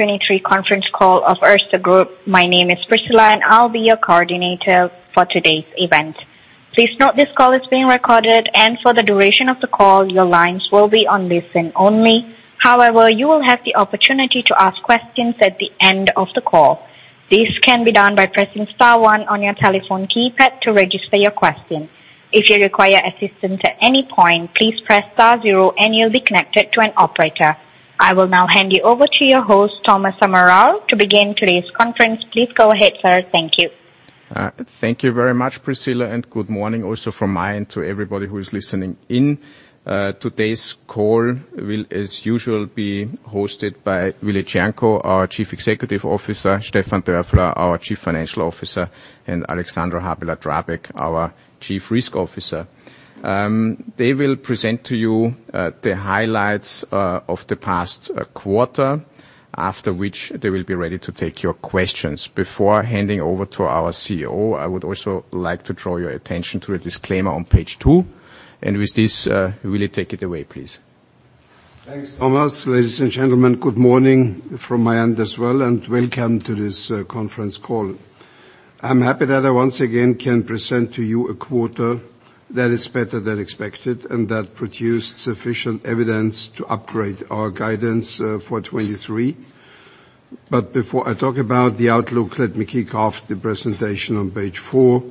2023 conference call of Erste Group. My name is Priscilla, I'll be your coordinator for today's event. Please note this call is being recorded, for the duration of the call, your lines will be on listen only. However, you will have the opportunity to ask questions at the end of the call. This can be done by pressing star one on your telephone keypad to register your question. If you require assistance at any point, please press star zero and you'll be connected to an operator. I will now hand you over to your host, Thomas Sommerauer, to begin today's conference. Please go ahead, sir. Thank you. Thank you very much, Priscilla, and good morning also from my end to everybody who is listening in. Today's call will, as usual, be hosted by Willi Cernko, our Chief Executive Officer, Stefan Dörfler, our Chief Financial Officer, and Alexandra Habeler-Drabek, our Chief Risk Officer. They will present to you the highlights of the past quarter, after which they will be ready to take your questions. Before handing over to our CEO, I would also like to draw your attention to a disclaimer on page two. With this, Willi, take it away, please. Thanks, Thomas. Ladies and gentlemen, good morning from my end as well, and welcome to this conference call. I'm happy that I once again can present to you a quarter that is better than expected and that produced sufficient evidence to upgrade our guidance for 2023. Before I talk about the outlook, let me kick off the presentation on page four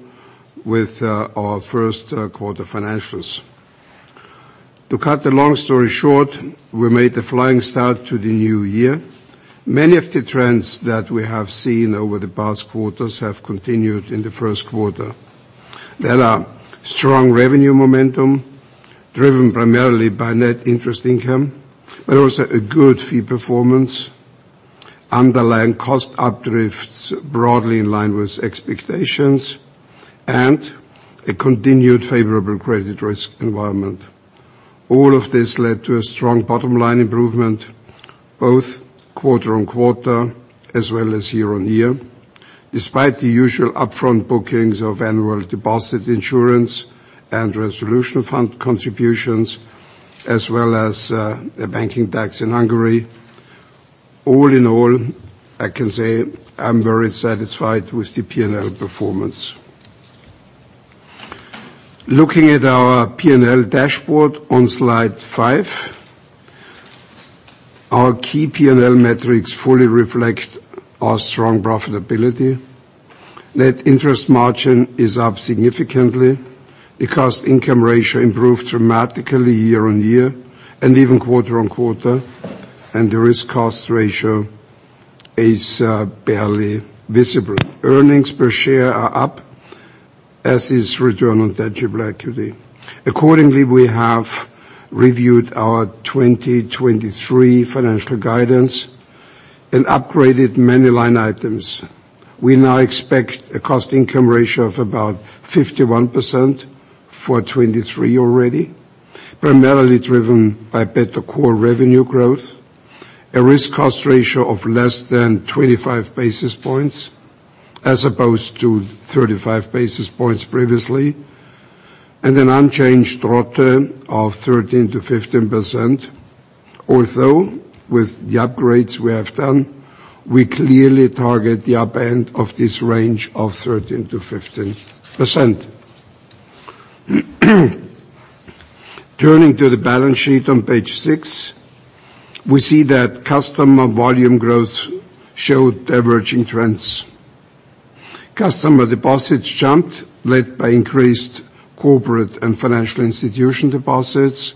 with our first quarter financials. To cut the long story short, we made a flying start to the new year. Many of the trends that we have seen over the past quarters have continued in the first quarter. There are strong revenue momentum driven primarily by net interest income, but also a good fee performance, underlying cost up drifts broadly in line with expectations, and a continued favorable credit risk environment. All of this led to a strong bottom line improvement, both quarter-over-quarter as well as year-over-year, despite the usual upfront bookings of annual deposit insurance and resolution fund contributions, as well as the banking tax in Hungary. All in all, I can say I'm very satisfied with the P&L performance. Looking at our P&L dashboard on slide five, our key P&L metrics fully reflect our strong profitability. Net interest margin is up significantly. The cost income ratio improved dramatically year-over-year and even quarter-over-quarter. The risk cost ratio is barely visible. Earnings per share are up, as is return on tangible equity. Accordingly, we have reviewed our 2023 financial guidance and upgraded many line items. We now expect a cost income ratio of about 51% for 2023 already, primarily driven by better core revenue growth, a risk cost ratio of less than 25 basis points as opposed to 35 basis points previously, and an unchanged ROATE of 13%-15%. With the upgrades we have done, we clearly target the upper end of this range of 13%-15%. Turning to the balance sheet on page six, we see that customer volume growth showed diverging trends. Customer deposits jumped, led by increased corporate and financial institution deposits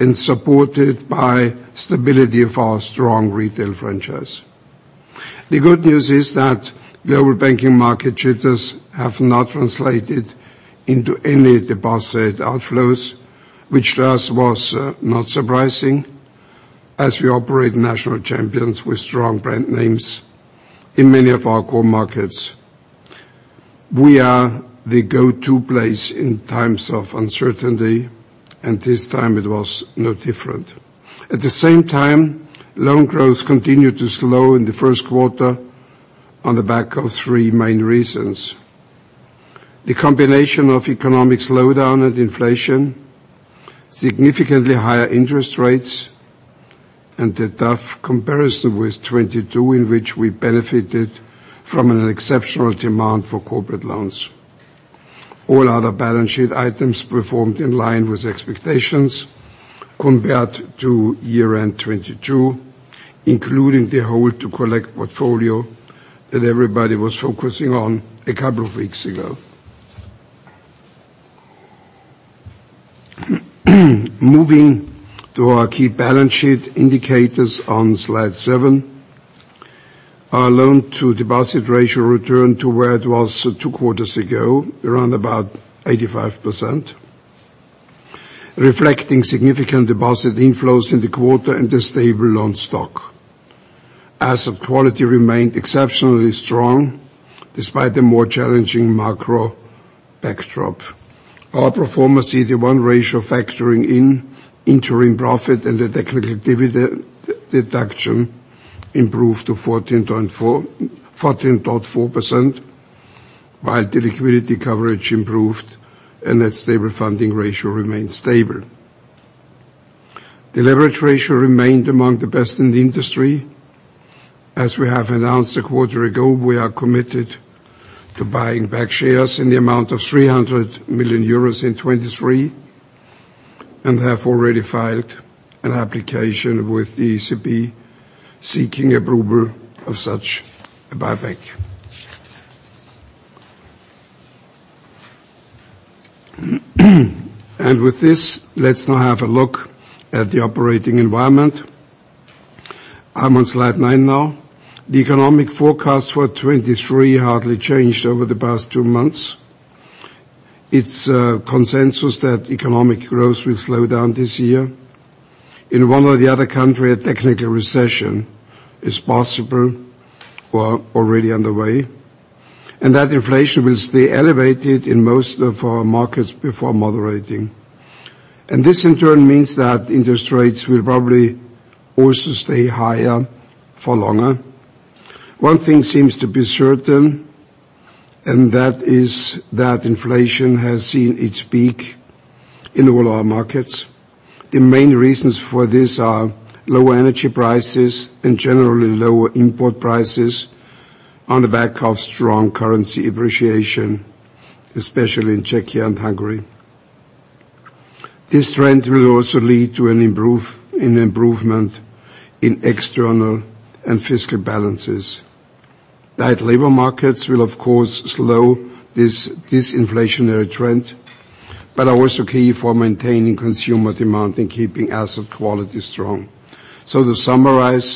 and supported by stability of our strong retail franchise. The good news is that the overall banking market jitters have not translated into any deposit outflows, which to us was not surprising, as we operate national champions with strong brand names in many of our core markets. We are the go-to place in times of uncertainty, and this time it was no different. At the same time, loan growth continued to slow in the first quarter on the back of three main reasons. The combination of economic slowdown and inflation, significantly higher interest rates, and the tough comparison with 2022, in which we benefited from an exceptional demand for corporate loans. All other balance sheet items performed in line with expectations compared to year-end 2022, including the hold to collect portfolio that everybody was focusing on a couple of weeks ago. Moving to our key balance sheet indicators on slide seven. Our loan to deposit ratio returned to where it was two quarters ago, around about 85%, reflecting significant deposit inflows in the quarter and a stable loan stock. Asset quality remained exceptionally strong despite the more challenging macro backdrop. Our performance CET1 ratio factoring in interim profit and the decla-dividend deduction improved to 14.4%, while the liquidity coverage improved and its stable funding ratio remained stable. The leverage ratio remained among the best in the industry. As we have announced a quarter ago, we are committed to buying back shares in the amount of 300 million euros in 2023, and have already filed an application with the ECB seeking approval of such a buyback. With this, let's now have a look at the operating environment. I'm on slide nine now. The economic forecast for 2023 hardly changed over the past two months. It's consensus that economic growth will slow down this year. In one or the other country, a technical recession is possible or already underway, and that inflation will stay elevated in most of our markets before moderating. This, in turn, means that interest rates will probably also stay higher for longer. One thing seems to be certain, and that is that inflation has seen its peak in all our markets. The main reasons for this are lower energy prices and generally lower import prices on the back of strong currency appreciation, especially in Czechia and Hungary. This trend will also lead to an improvement in external and fiscal balances. Tight labor markets will of course slow this inflationary trend, but are also key for maintaining consumer demand and keeping asset quality strong. To summarize,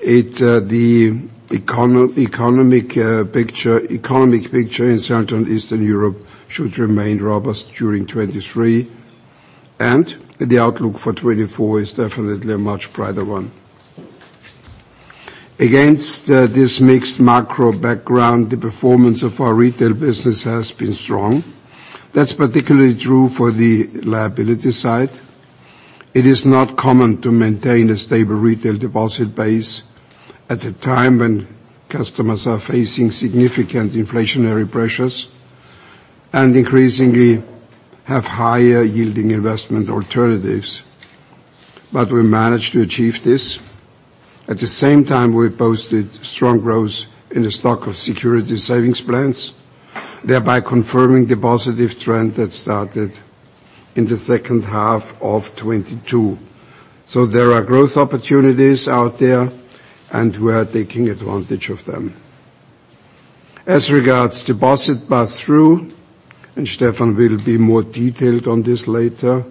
the economic picture in Central and Eastern Europe should remain robust during 2023, and the outlook for 2024 is definitely a much brighter one. Against this mixed macro background, the performance of our retail business has been strong. That's particularly true for the liability side. It is not common to maintain a stable retail deposit base at a time when customers are facing significant inflationary pressures and increasingly have higher-yielding investment alternatives. We managed to achieve this. At the same time, we posted strong growth in the stock of security savings plans, thereby confirming the positive trend that started in the second half of 2022. There are growth opportunities out there, and we are taking advantage of them. As regards deposit pass-through, and Stefan will be more detailed on this later,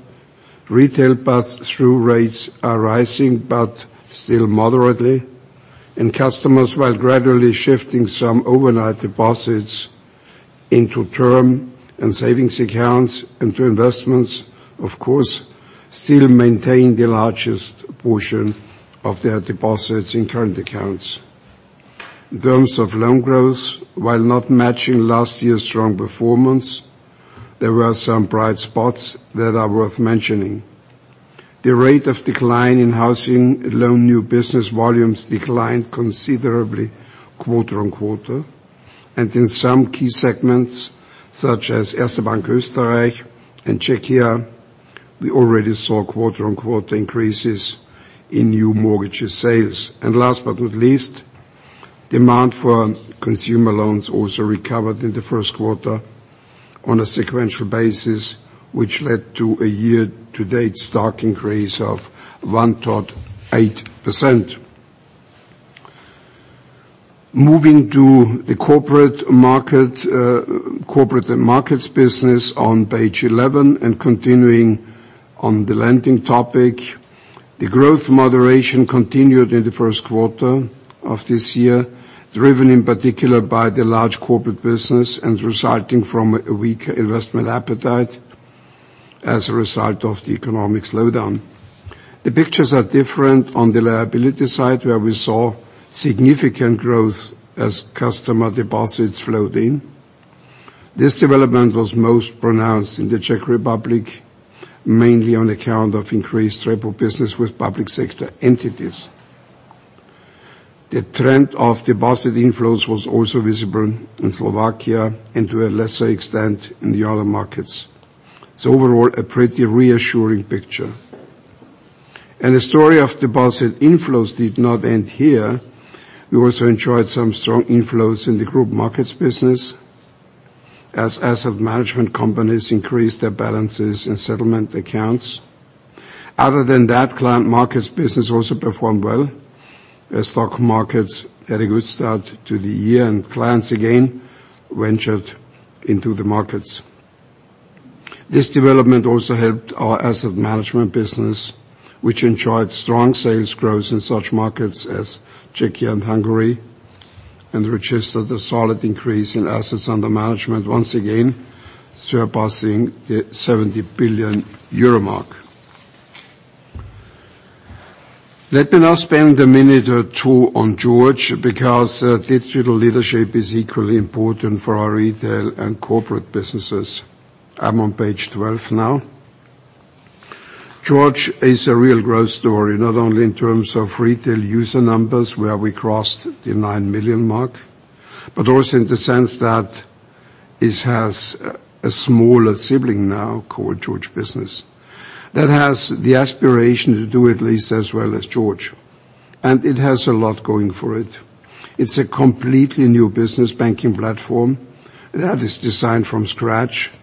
retail pass-through rates are rising but still moderately. Customers, while gradually shifting some overnight deposits into term and savings accounts into investments, of course, still maintain the largest portion of their deposits in current accounts. In terms of loan growth, while not matching last year's strong performance, there were some bright spots that are worth mentioning. The rate of decline in housing loan new business volumes declined considerably quarter-on-quarter. In some key segments, such as Erste Bank Österreich and Czechia, we already saw quarter-on-quarter increases in new mortgage sales. Last but not least, demand for consumer loans also recovered in the first quarter on a sequential basis, which led to a year-to-date stock increase of 1.8%. Moving to the corporate market, corporate and markets business on page 11 and continuing on the lending topic. The growth moderation continued in the first quarter of this year, driven in particular by the large corporate business and resulting from a weaker investment appetite as a result of the economic slowdown. The pictures are different on the liability side, where we saw significant growth as customer deposits flowed in. This development was most pronounced in the Czech Republic, mainly on account of increased triple business with public sector entities. The trend of deposit inflows was also visible in Slovakia and to a lesser extent in the other markets. Overall, a pretty reassuring picture. The story of deposit inflows did not end here. We also enjoyed some strong inflows in the Group Markets business as asset management companies increased their balances in settlement accounts. Other than that, client markets business also performed well as stock markets had a good start to the year and clients again ventured into the markets. This development also helped our asset management business, which enjoyed strong sales growth in such markets as Czechia and Hungary, and registered a solid increase in assets under management, once again surpassing the 70 billion euro mark. Let me now spend a minute or two on George, because digital leadership is equally important for our retail and corporate businesses. I'm on page 12 now. George is a real growth story, not only in terms of retail user numbers, where we crossed the 9 million mark, but also in the sense that it has a smaller sibling now called George Business that has the aspiration to do at least as well as George, and it has a lot going for it. It's a completely new business banking platform that is designed from scratch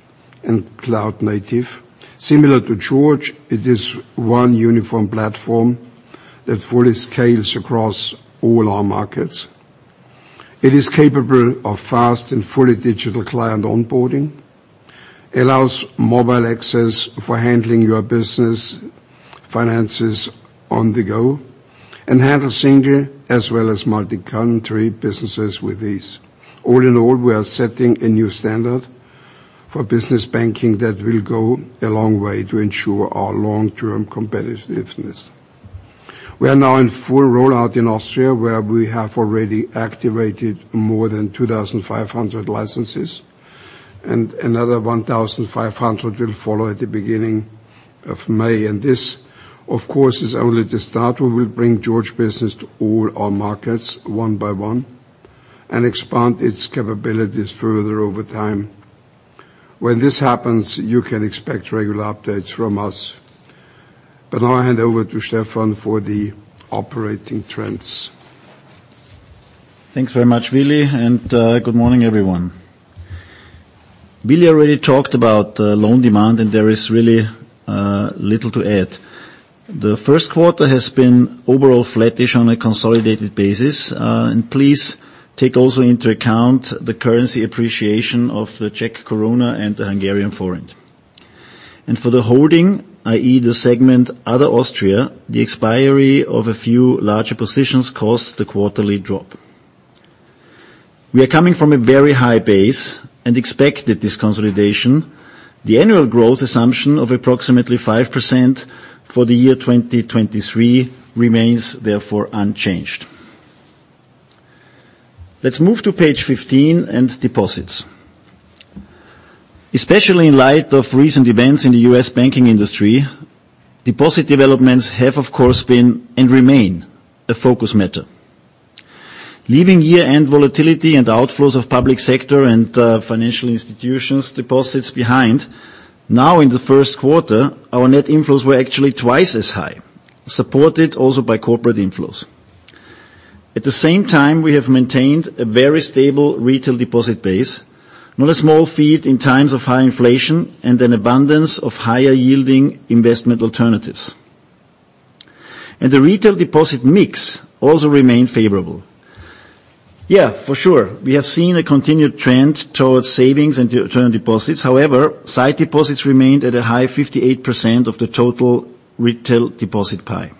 and cloud-native. Similar to George, it is one uniform platform that fully scales across all our markets. It is capable of fast and fully digital client onboarding, allows mobile access for handling your business finances on the go, and handles single as well as multi-country businesses with ease. All in all, we are setting a new standard for business banking that will go a long way to ensure our long-term competitiveness. We are now in full rollout in Austria, where we have already activated more than 2,500 licenses, and another 1,500 will follow at the beginning of May. This, of course, is only the start. We will bring George Business to all our markets one by one and expand its capabilities further over time. When this happens, you can expect regular updates from us. Now I hand over to Stefan for the operating trends. Thanks very much, Willi, good morning, everyone. Willi already talked about loan demand, there is really little to add. The first quarter has been overall flattish on a consolidated basis. Please take also into account the currency appreciation of the Czech koruna and the Hungarian forint. For the holding, i.e., the segment Other Austria, the expiry of a few larger positions caused the quarterly drop. We are coming from a very high base and expected this consolidation. The annual growth assumption of approximately 5% for the year 2023 remains therefore unchanged. Let's move to page 15 and deposits. Especially in light of recent events in the U.S. banking industry, deposit developments have, of course, been and remain a focus matter. Leaving year-end volatility and outflows of public sector and financial institutions deposits behind, now in the 1st quarter, our net inflows were actually 2x as high, supported also by corporate inflows. At the same time, we have maintained a very stable retail deposit base, not a small feat in times of high inflation and an abundance of higher-yielding investment alternatives. The retail deposit mix also remained favorable. For sure, we have seen a continued trend towards savings and term deposits. Sight deposits remained at a high 58% of the total retail deposit pie.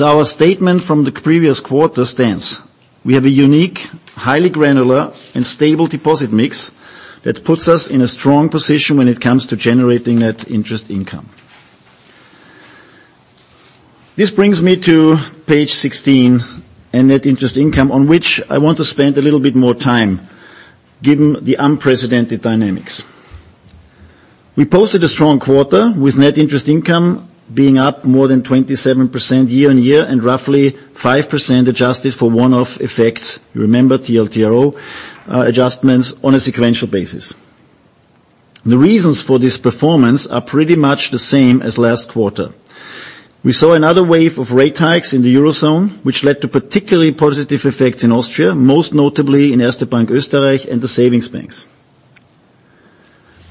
Our statement from the previous quarter stands. We have a unique, highly granular, and stable deposit mix that puts us in a strong position when it comes to generating net interest income. This brings me to page 16 and net interest income, on which I want to spend a little bit more time given the unprecedented dynamics. We posted a strong quarter, with net interest income being up more than 27% year-on-year and roughly 5% adjusted for one-off effects, remember TLTRO, adjustments on a sequential basis. The reasons for this performance are pretty much the same as last quarter. We saw another wave of rate hikes in the Eurozone, which led to particularly positive effects in Austria, most notably in Erste Bank Österreich and the savings banks.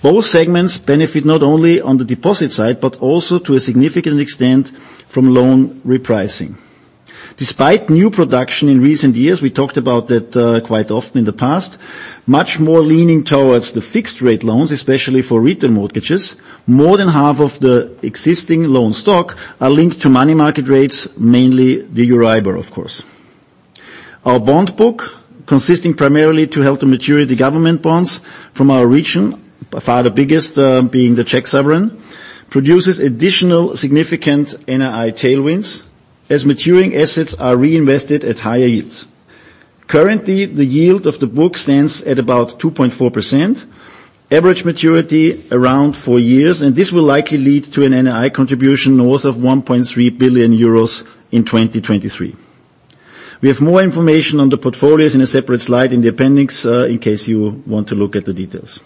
Both segments benefit not only on the deposit side, but also to a significant extent from loan repricing. Despite new production in recent years, we talked about that quite often in the past, much more leaning towards the fixed rate loans, especially for retail mortgages. More than half of the existing loan stock are linked to money market rates, mainly the EURIBOR, of course. Our bond book, consisting primarily to held-to-maturity government bonds from our region, by far the biggest, being the Czech sovereign, produces additional significant NII tailwinds as maturing assets are reinvested at higher yields. Currently, the yield of the book stands at about 2.4%, average maturity around four years, and this will likely lead to an NII contribution north of 1.3 billion euros in 2023. We have more information on the portfolios in a separate slide in the appendix, in case you want to look at the details.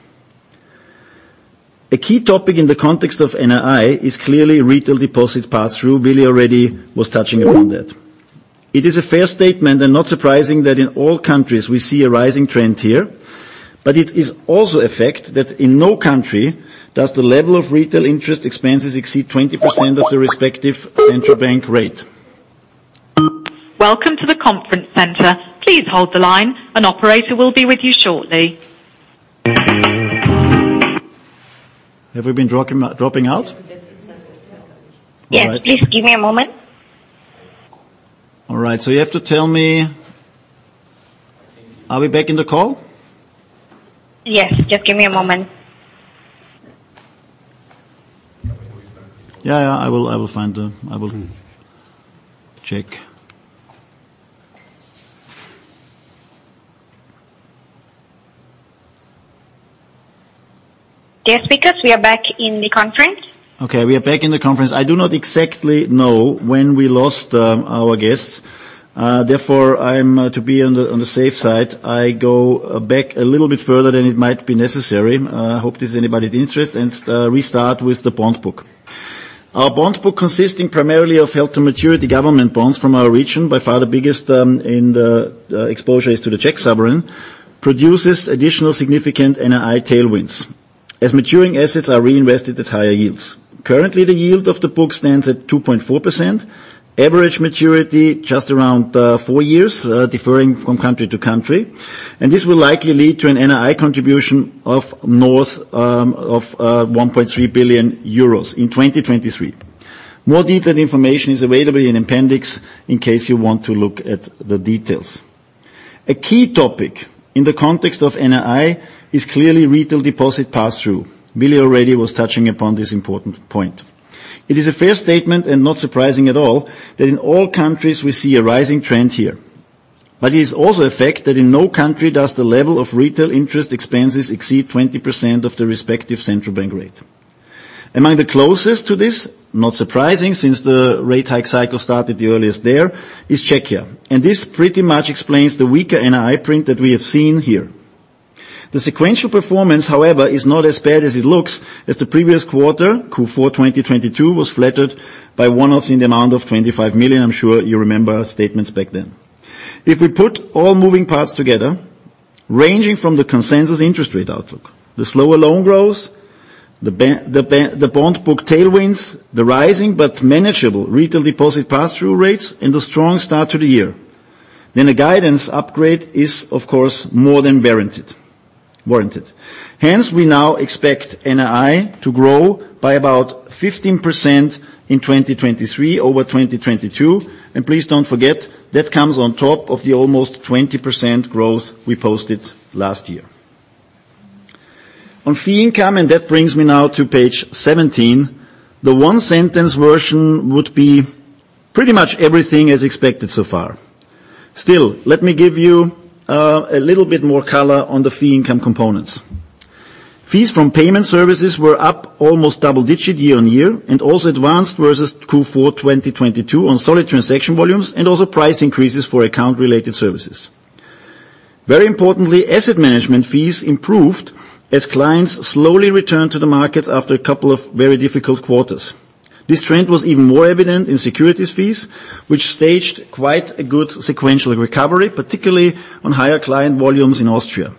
A key topic in the context of NII is clearly retail deposit pass-through. Willi already was touching upon that. It is a fair statement and not surprising that in all countries we see a rising trend here. It is also a fact that in no country does the level of retail interest expenses exceed 20% of the respective central bank rate. Welcome to the conference center. Please hold the line. An operator will be with you shortly. Have we been dropping out? Yes, please give me a moment. All right. You have to tell me. Are we back in the call? Yes, just give me a moment. Yeah, yeah. I will find the... I will check. Guest speakers, we are back in the conference. We are back in the conference. I do not exactly know when we lost our guest, therefore, I'm to be on the safe side, I go back a little bit further than it might be necessary. Hope this is anybody's interest and restart with the bond book. Our bond book consisting primarily of held-to-maturity government bonds from our region, by far the biggest, in the exposure is to the Czech sovereign, produces additional significant NII tailwinds as maturing assets are reinvested at higher yields. Currently, the yield of the book stands at 2.4%. Average maturity, just around four years, differing from country to country, and this will likely lead to an NII contribution of north of 1.3 billion euros in 2023. More detailed information is available in appendix in case you want to look at the details. A key topic in the context of NII is clearly retail deposit pass-through. Willi already was touching upon this important point. It is also a fact that in no country does the level of retail interest expenses exceed 20% of the respective central bank rate. Among the closest to this, not surprising since the rate hike cycle started the earliest there, is Czechia, and this pretty much explains the weaker NII print that we have seen here. The sequential performance, however, is not as bad as it looks, as the previous quarter, Q4 2022, was flattered by one of the amount of 25 million. I'm sure you remember statements back then. If we put all moving parts together, ranging from the consensus interest rate outlook, the slower loan growth, the bond book tailwinds, the rising but manageable retail deposit pass-through rates, and the strong start to the year, then a guidance upgrade is of course more than warranted. Hence, we now expect NII to grow by about 15% in 2023 over 2022. Please don't forget, that comes on top of the almost 20% growth we posted last year. On fee income, that brings me now to page 17, the one-sentence version would be pretty much everything as expected so far. Still, let me give you a little bit more color on the fee income components. Fees from payment services were up almost double-digit year-on-year and also advanced versus Q4 2022 on solid transaction volumes and also price increases for account-related services. Very importantly, asset management fees improved as clients slowly returned to the markets after a couple of very difficult quarters. This trend was even more evident in securities fees, which staged quite a good sequential recovery, particularly on higher client volumes in Austria,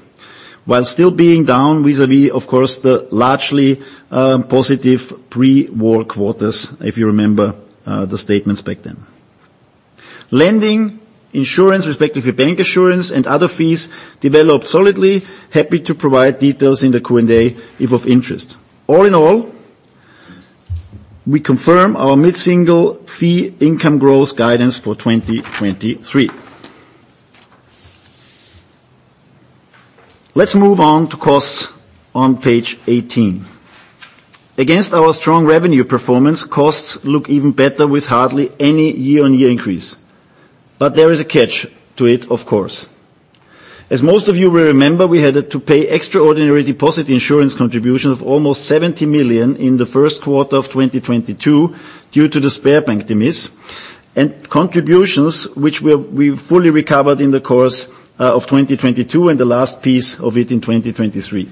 while still being down vis-à-vis, of course, the largely positive pre-war quarters, if you remember the statements back then. Lending, insurance, respectively bank assurance, and other fees developed solidly. Happy to provide details in the Q&A if of interest. All in all, we confirm our mid-single fee income growth guidance for 2023. Let's move on to costs on page 18. Against our strong revenue performance, costs look even better with hardly any year-on-year increase. There is a catch to it, of course. As most of you will remember, we had to pay extraordinary deposit insurance contribution of almost 70 million in Q1 2022 due to the Sberbank Europe, and contributions which we've fully recovered in the course of 2022 and the last piece of it in 2023.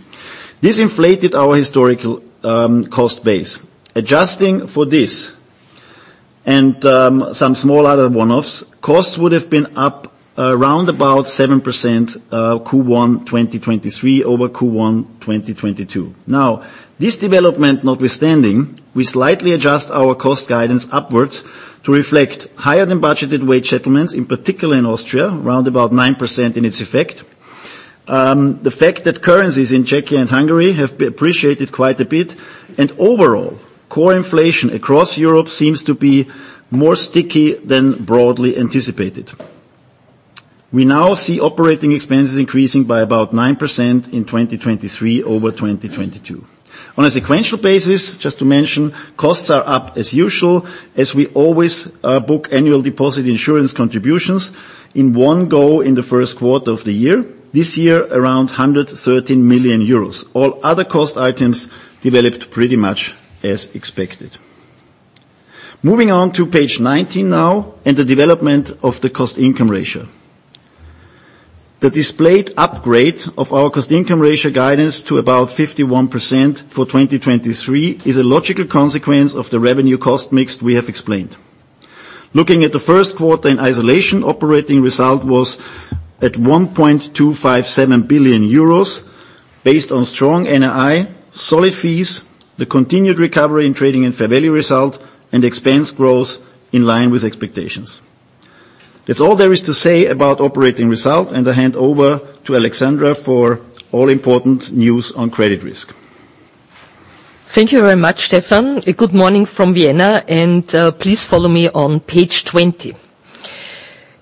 This inflated our historical cost base. Adjusting for this and some small other one-offs, costs would have been up around about 7% Q1 2023 over Q1 2022. This development notwithstanding, we slightly adjust our cost guidance upwards to reflect higher-than-budgeted wage settlements, in particular in Austria, around about 9% in its effect. The fact that currencies in Czechia and Hungary have appreciated quite a bit, and overall, core inflation across Europe seems to be more sticky than broadly anticipated. We now see operating expenses increasing by about 9% in 2023 over 2022. On a sequential basis, just to mention, costs are up as usual, as we always book annual deposit insurance contributions in one go in the first quarter of the year. This year, around 113 million euros. All other cost items developed pretty much as expected. Moving on to page 19 now and the development of the cost-income ratio. The displayed upgrade of our cost-income ratio guidance to about 51% for 2023 is a logical consequence of the revenue cost mix we have explained. Looking at the first quarter in isolation, operating result was at 1.257 billion euros based on strong NII, solid fees, the continued recovery in trading and fair value result, and expense growth in line with expectations. That's all there is to say about operating result. I hand over to Alexandra for all important news on credit risk. Thank you very much, Stefan. A good morning from Vienna, please follow me on page 20.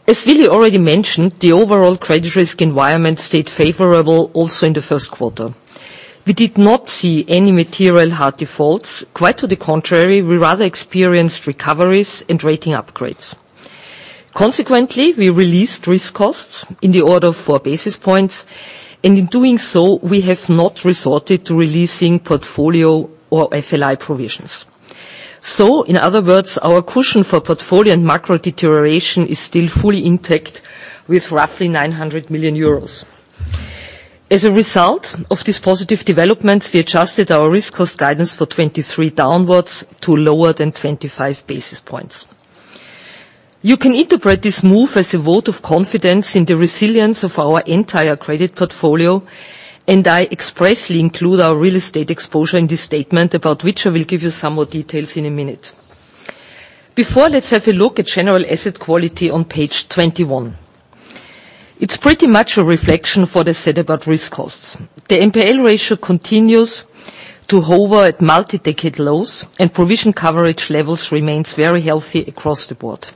As Willi already mentioned, the overall credit risk environment stayed favorable also in the first quarter. We did not see any material hard defaults. Quite to the contrary, we rather experienced recoveries and rating upgrades. Consequently, we released risk costs in the order for basis points. In doing so, we have not resorted to releasing portfolio or FLI provisions. In other words, our cushion for portfolio and macro deterioration is still fully intact with roughly 900 million euros. As a result of this positive development, we adjusted our risk cost guidance for 2023 downwards to lower than 25 basis points. You can interpret this move as a vote of confidence in the resilience of our entire credit portfolio, and I expressly include our real estate exposure in this statement about which I will give you some more details in a minute. Before, let's have a look at general asset quality on page 21. It's pretty much a reflection of what I said about risk costs. The NPL ratio continues to hover at multi-decade lows, and provision coverage levels remains very healthy across the board.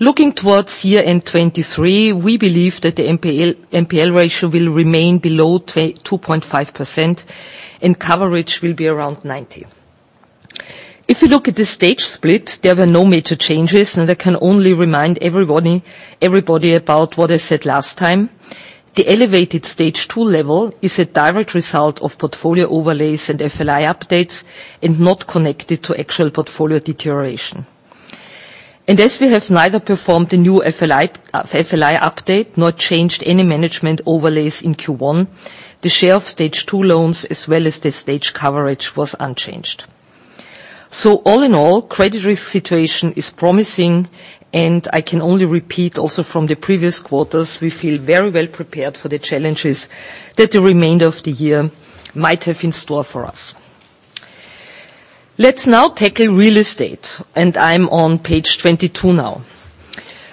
Looking towards year-end 2023, we believe that the NPL ratio will remain below 2.5%, and coverage will be around 90. If you look at the stage split, there were no major changes, and I can only remind everybody about what I said last time. The elevated stage two level is a direct result of portfolio overlays and FLI updates and not connected to actual portfolio deterioration. As we have neither performed a new FLI update nor changed any management overlays in Q1, the share of stage two loans as well as the stage coverage was unchanged. All in all, credit risk situation is promising, and I can only repeat also from the previous quarters, we feel very well prepared for the challenges that the remainder of the year might have in store for us. Let's now tackle real estate, and I'm on page 22 now.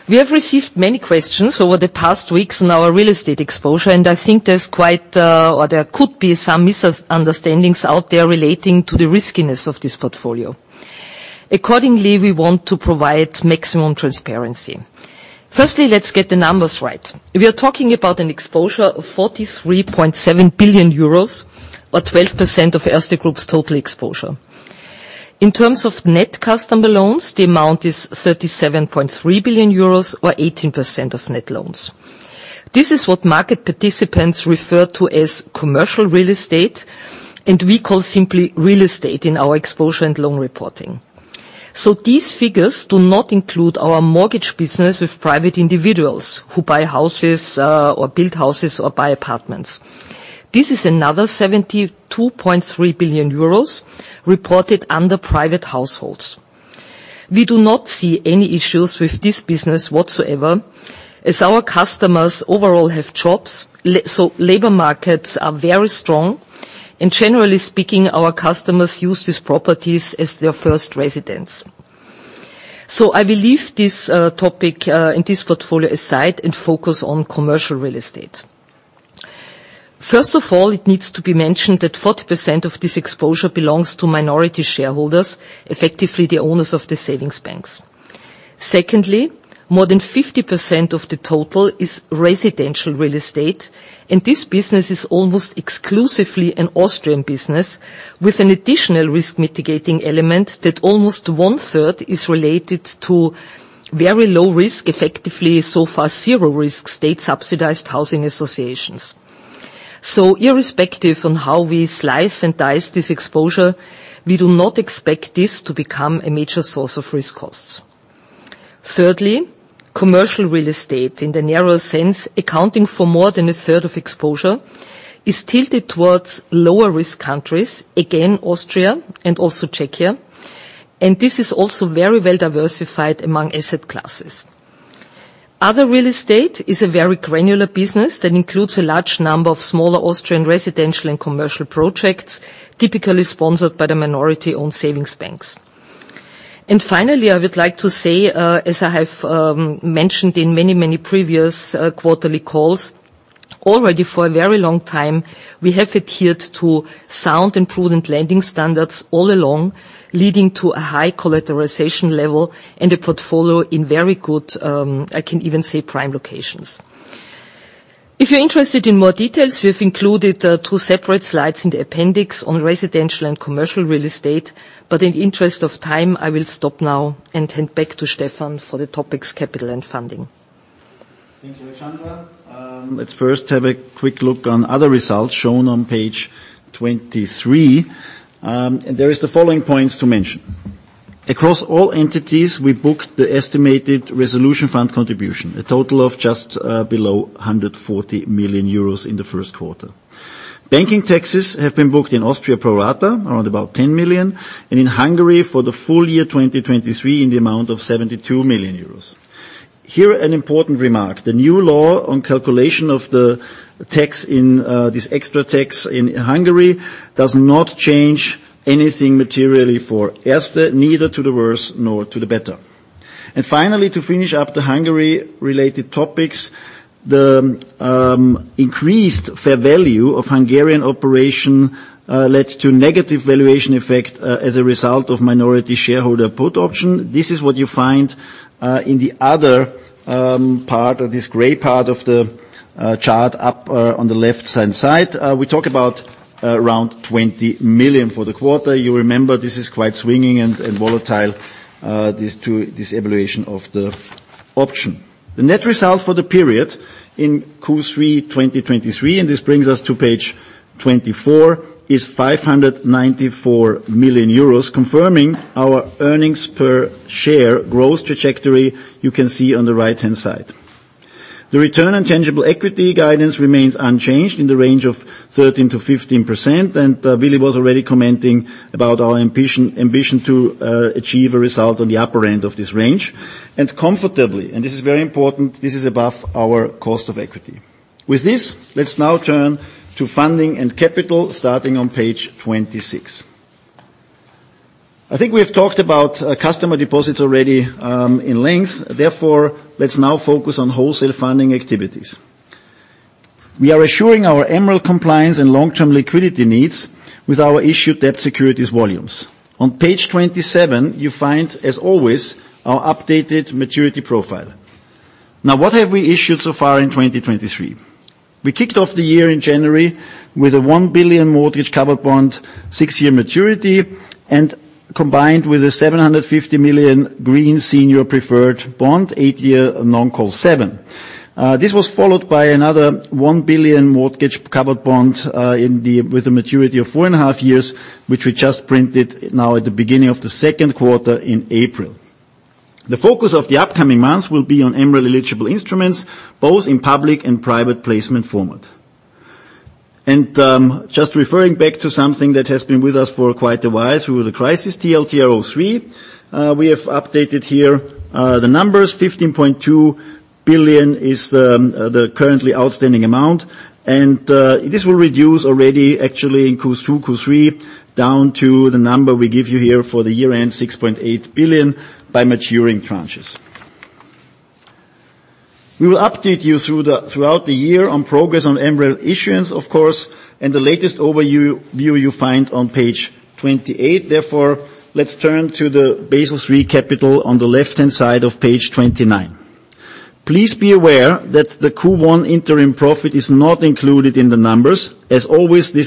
We have received many questions over the past weeks on our real estate exposure, and I think there's quite, or there could be some misunderstandings out there relating to the riskiness of this portfolio. Accordingly, we want to provide maximum transparency. Firstly, let's get the numbers right. We are talking about an exposure of 43.7 billion euros or 12% of Erste Group's total exposure. In terms of net customer loans, the amount is 37.3 billion euros or 18% of net loans. These figures do not include our mortgage business with private individuals who buy houses or build houses or buy apartments. This is another 72.3 billion euros reported under private households. We do not see any issues with this business whatsoever as our customers overall have jobs. Labor markets are very strong, and generally speaking, our customers use these properties as their first residence. I will leave this topic and this portfolio aside and focus on commercial real estate. First of all, it needs to be mentioned that 40% of this exposure belongs to minority shareholders, effectively the owners of the savings banks. More than 50% of the total is residential real estate, and this business is almost exclusively an Austrian business with an additional risk mitigating element that almost one-third is related to very low risk, effectively so far zero risk state-subsidized housing associations. Irrespective on how we slice and dice this exposure, we do not expect this to become a major source of risk costs. Commercial real estate in the narrow sense, accounting for more than a third of exposure, is tilted towards lower-risk countries, again, Austria and also Czechia, and this is also very well diversified among asset classes. Other real estate is a very granular business that includes a large number of smaller Austrian residential and commercial projects, typically sponsored by the minority-owned savings banks. Finally, I would like to say, as I have mentioned in many previous quarterly calls, already for a very long time, we have adhered to sound and prudent lending standards all along, leading to a high collateralization level and a portfolio in very good, I can even say prime locations. If you're interested in more details, we have included two separate slides in the appendix on residential and commercial real estate, in interest of time, I will stop now and hand back to Stefan for the topics capital and funding. Thanks, Alexandra. Let's first have a quick look on other results shown on page 23. There is the following points to mention. Across all entities, we booked the estimated resolution fund contribution, a total of just below 140 million euros in the first quarter. Banking taxes have been booked in Austria pro rata, around about 10 million, and in Hungary for the full year 2023 in the amount of 72 million euros. Here, an important remark. The new law on calculation of the tax in this extra tax in Hungary does not change anything materially for Erste, neither to the worse nor to the better. Finally, to finish up the Hungary-related topics, the increased fair value of Hungarian operation led to negative valuation effect as a result of minority shareholder put option. This is what you find in the other part of this gray part of the chart up on the left-hand side. We talk about around 20 million for the quarter. You remember this is quite swinging and volatile, this evaluation of the Option. The net result for the period in Q3 2023, and this brings us to page 24, is 594 million euros, confirming our earnings per share growth trajectory you can see on the right-hand side. The return on tangible equity guidance remains unchanged in the range of 13%-15%, and Willi was already commenting about our ambition to achieve a result on the upper end of this range. Comfortably, and this is very important, this is above our cost of equity. With this, let's now turn to funding and capital starting on page 26. I think we have talked about customer deposits already in length, therefore, let's now focus on wholesale funding activities. We are assuring our MREL compliance and long-term liquidity needs with our issued debt securities volumes. On page 27, you find, as always, our updated maturity profile. Now, what have we issued so far in 2023? We kicked off the year in January with a 1 billion Mortgage Covered Bond, six-year maturity, and combined with a 750 million green senior preferred bond, eight-year non-call seven. This was followed by another 1 billion Mortgage Covered Bond with a maturity of 4.5 years, which we just printed now at the beginning of the second quarter in April. The focus of the upcoming months will be on MREL eligible instruments, both in public and private placement format. Just referring back to something that has been with us for quite a while through the crisis, TLTRO III, we have updated here the numbers. 15.2 billion is the currently outstanding amount. This will reduce already actually in Q2, Q3, down to the number we give you here for the year-end, 6.8 billion, by maturing tranches. We will update you throughout the year on progress on MREL issuance, of course, and the latest overview you find on page 28. Therefore, let's turn to the Basel III capital on the left-hand side of page 29. Please be aware that the Q1 interim profit is not included in the numbers. This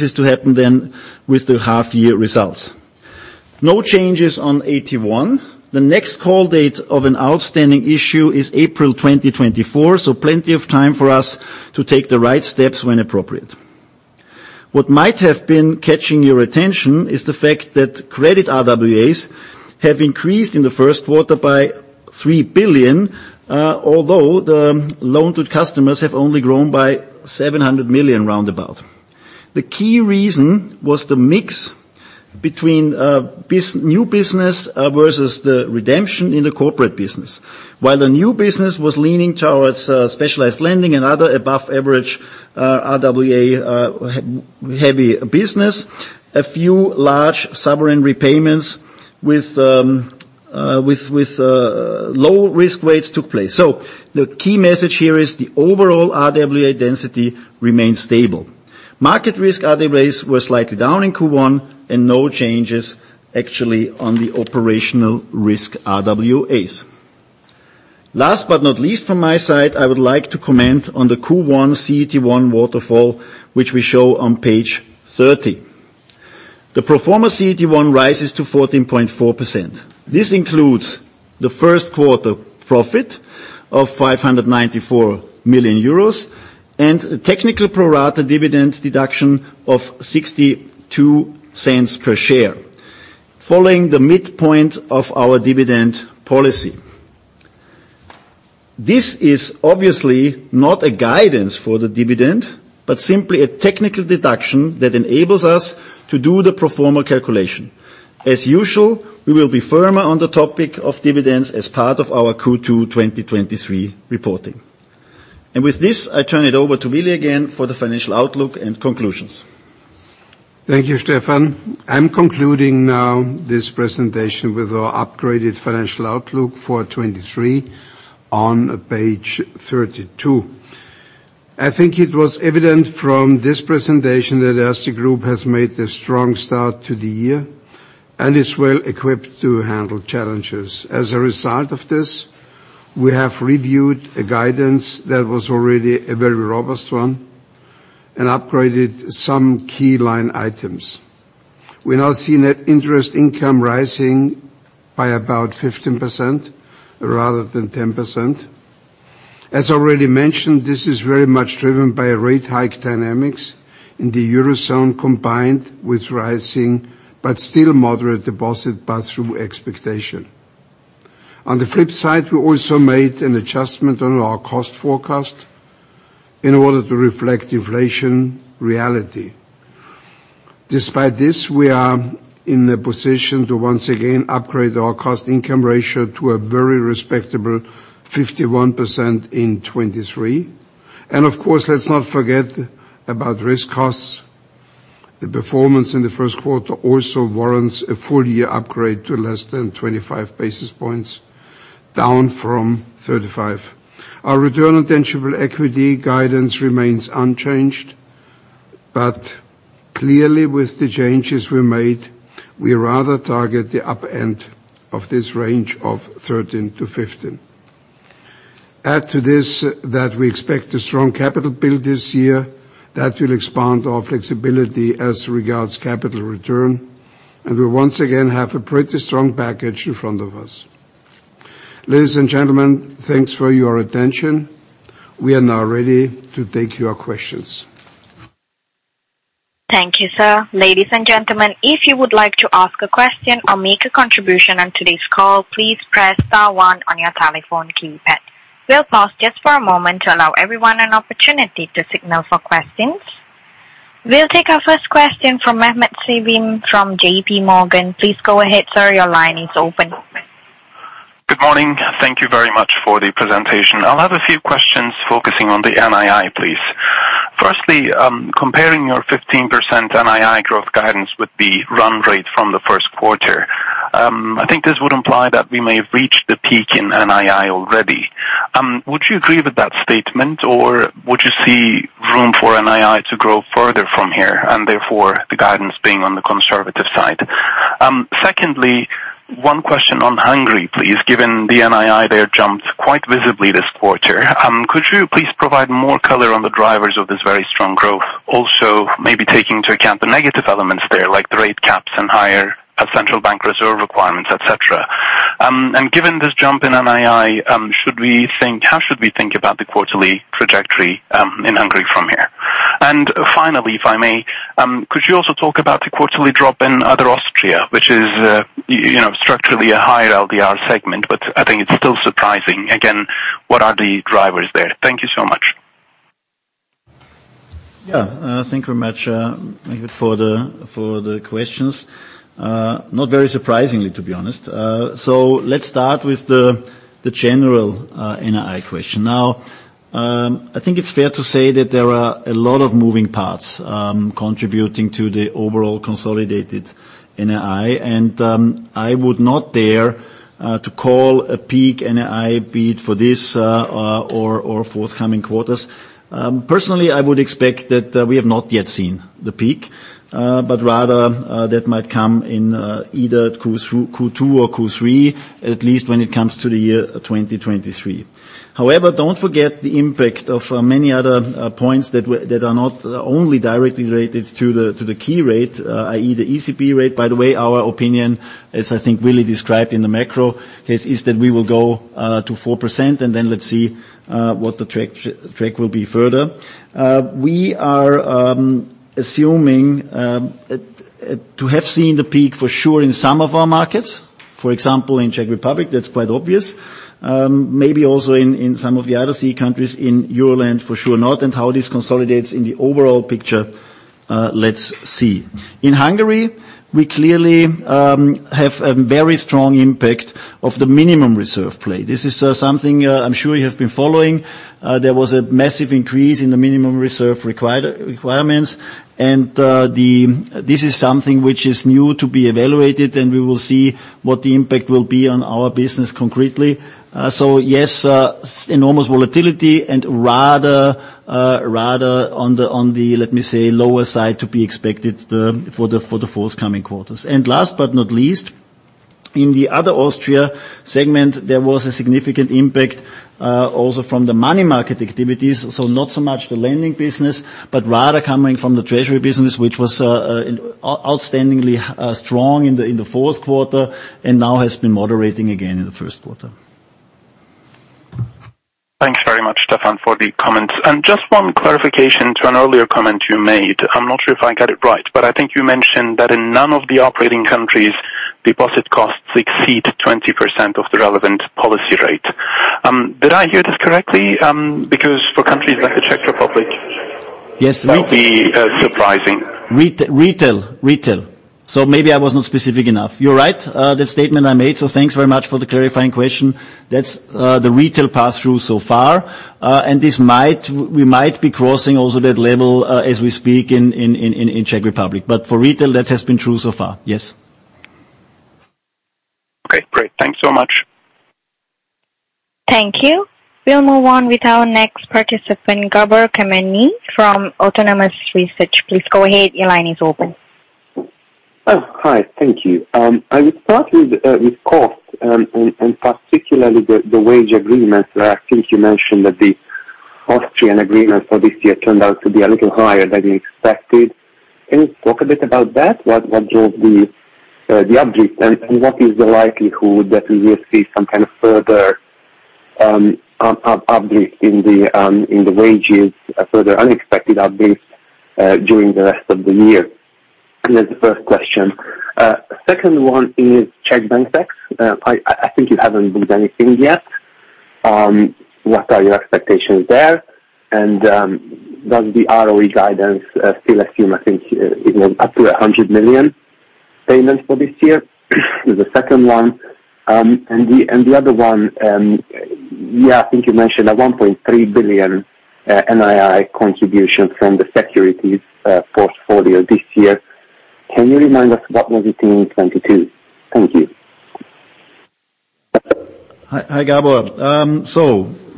is to happen then with the half-year results. No changes on AT1. The next call date of an outstanding issue is April 2024, so plenty of time for us to take the right steps when appropriate. What might have been catching your attention is the fact that credit RWAs have increased in the first quarter by 3 billion, although the loans with customers have only grown by 700 million roundabout. The key reason was the mix between new business versus the redemption in the corporate business. While the new business was leaning towards specialized lending and other above-average RWA-heavy business, a few large sovereign repayments with low risk weights took place. The key message here is the overall RWA density remains stable. Market risk RWAs were slightly down in Q1, and no changes actually on the operational risk RWAs. Last but not least from my side, I would like to comment on the Q1 CET1 waterfall, which we show on page 30. The pro forma CET1 rises to 14.4%. This includes the first quarter profit of 594 million euros and a technical pro rata dividend deduction of 0.62 per share following the midpoint of our dividend policy. This is obviously not a guidance for the dividend, but simply a technical deduction that enables us to do the pro forma calculation. As usual, we will be firmer on the topic of dividends as part of our Q2 2023 reporting. With this, I turn it over to Willi again for the financial outlook and conclusions. Thank you, Stefan. I'm concluding now this presentation with our upgraded financial outlook for 2023 on page 32. I think it was evident from this presentation that Erste Group has made a strong start to the year and is well equipped to handle challenges. As a result of this, we have reviewed a guidance that was already a very robust one and upgraded some key line items. We now see net interest income rising by about 15% rather than 10%. As already mentioned, this is very much driven by rate hike dynamics in the Eurozone, combined with rising but still moderate deposit pass-through expectation. On the flip side, we also made an adjustment on our cost forecast in order to reflect inflation reality. Despite this, we are in a position to once again upgrade our cost income ratio to a very respectable 51% in 2023. Of course, let's not forget about risk costs. The performance in the first quarter also warrants a full-year upgrade to less than 25 basis points, down from 35. Our return on tangible equity guidance remains unchanged, but clearly with the changes we made, we rather target the upper end of this range of 13%-15%. Add to this that we expect a strong capital build this year that will expand our flexibility as regards capital return. We once again have a pretty strong package in front of us. Ladies and gentlemen, thanks for your attention. We are now ready to take your questions. Thank you, sir. Ladies and gentlemen, if you would like to ask a question or make a contribution on today's call, please press star one on your telephone keypad. We'll pause just for a moment to allow everyone an opportunity to signal for questions. We'll take our first question from Mehmet Sevim, from JPMorgan. Please go ahead, sir, your line is open. Good morning. Thank you very much for the presentation. I'll have a few questions focusing on the NII, please. Firstly, comparing your 15% NII growth guidance with the run rate from the first quarter. I think this would imply that we may have reached the peak in NII already. Would you agree with that statement or would you see room for NII to grow further from here, and therefore the guidance being on the conservative side? Secondly, one question on Hungary, please. Given the NII there jumped quite visibly this quarter, could you please provide more color on the drivers of this very strong growth? Also, maybe taking into account the negative elements there, like the rate caps and higher central bank reserve requirements, et cetera. Given this jump in NII, how should we think about the quarterly trajectory in Hungary from here? Finally, if I may, could you also talk about the quarterly drop in Other Austria, which is, you know, structurally a higher LDR segment, but I think it's still surprising. Again, what are the drivers there? Thank you so much. Yeah, thank you very much for the questions. Not very surprisingly, to be honest. Let's start with the general NII question. Now, I think it's fair to say that there are a lot of moving parts, contributing to the overall consolidated NII. I would not dare to call a peak NII beat for this, or forthcoming quarters. Personally, I would expect that we have not yet seen the peak, but rather, that might come in either Q2 or Q3, at least when it comes to the year 2023. Don't forget the impact of many other points that are not only directly related to the key rate, i.e., the ECB rate. By the way, our opinion, as I think Willi described in the macro case, is that we will go to 4%, and then let's see what the track will be further. We are assuming to have seen the peak for sure in some of our markets, for example, in Czech Republic, that's quite obvious. Maybe also in some of the other C countries in Euroland, for sure not, and how this consolidates in the overall picture, let's see. In Hungary, we clearly have a very strong impact of the minimum reserve play. This is something I'm sure you have been following. There was a massive increase in the minimum reserve requirements, and this is something which is new to be evaluated, and we will see what the impact will be on our business concretely. Yes, enormous volatility and rather on the, let me say, lower side to be expected for the forthcoming quarters. Last but not least, in the Other Austria segment, there was a significant impact, also from the money market activities. Not so much the lending business, but rather coming from the treasury business, which was outstandingly strong in the fourth quarter. Now has been moderating again in the first quarter. Thanks very much, Stefan for the comments. Just one clarification to an earlier comment you made. I'm not sure if I got it right, but I think you mentioned that in none of the operating countries, deposit costs exceed 20% of the relevant policy rate. Did I hear this correctly? Yes. That would be surprising. Retail, retail. Maybe I was not specific enough. You're right, that statement I made, thanks very much for the clarifying question. That's the retail pass-through so far. We might be crossing also that level, as we speak in Czech Republic. For retail, that has been true so far. Yes. Okay, great. Thanks so much. Thank you. We'll move on with our next participant, Gabor Kemeny from Autonomous Research. Please go ahead. Your line is open. Oh, hi. Thank you. I will start with cost and particularly the wage agreements. I think you mentioned that the Austrian agreements for this year turned out to be a little higher than you expected. Can you talk a bit about that? What drove the uplift? What is the likelihood that we will see some kind of further uplift in the wages, further unexpected uplift during the rest of the year? That's the first question. Second one is Czech Bank tax. I think you haven't booked anything yet. What are your expectations there? Does the ROE guidance still assume, I think it was up to 100 million payments for this year? Is the second one. The other one, I think you mentioned a 1.3 billion NII contribution from the securities portfolio this year. Can you remind us what was it in 2022? Thank you. Hi, Gabor.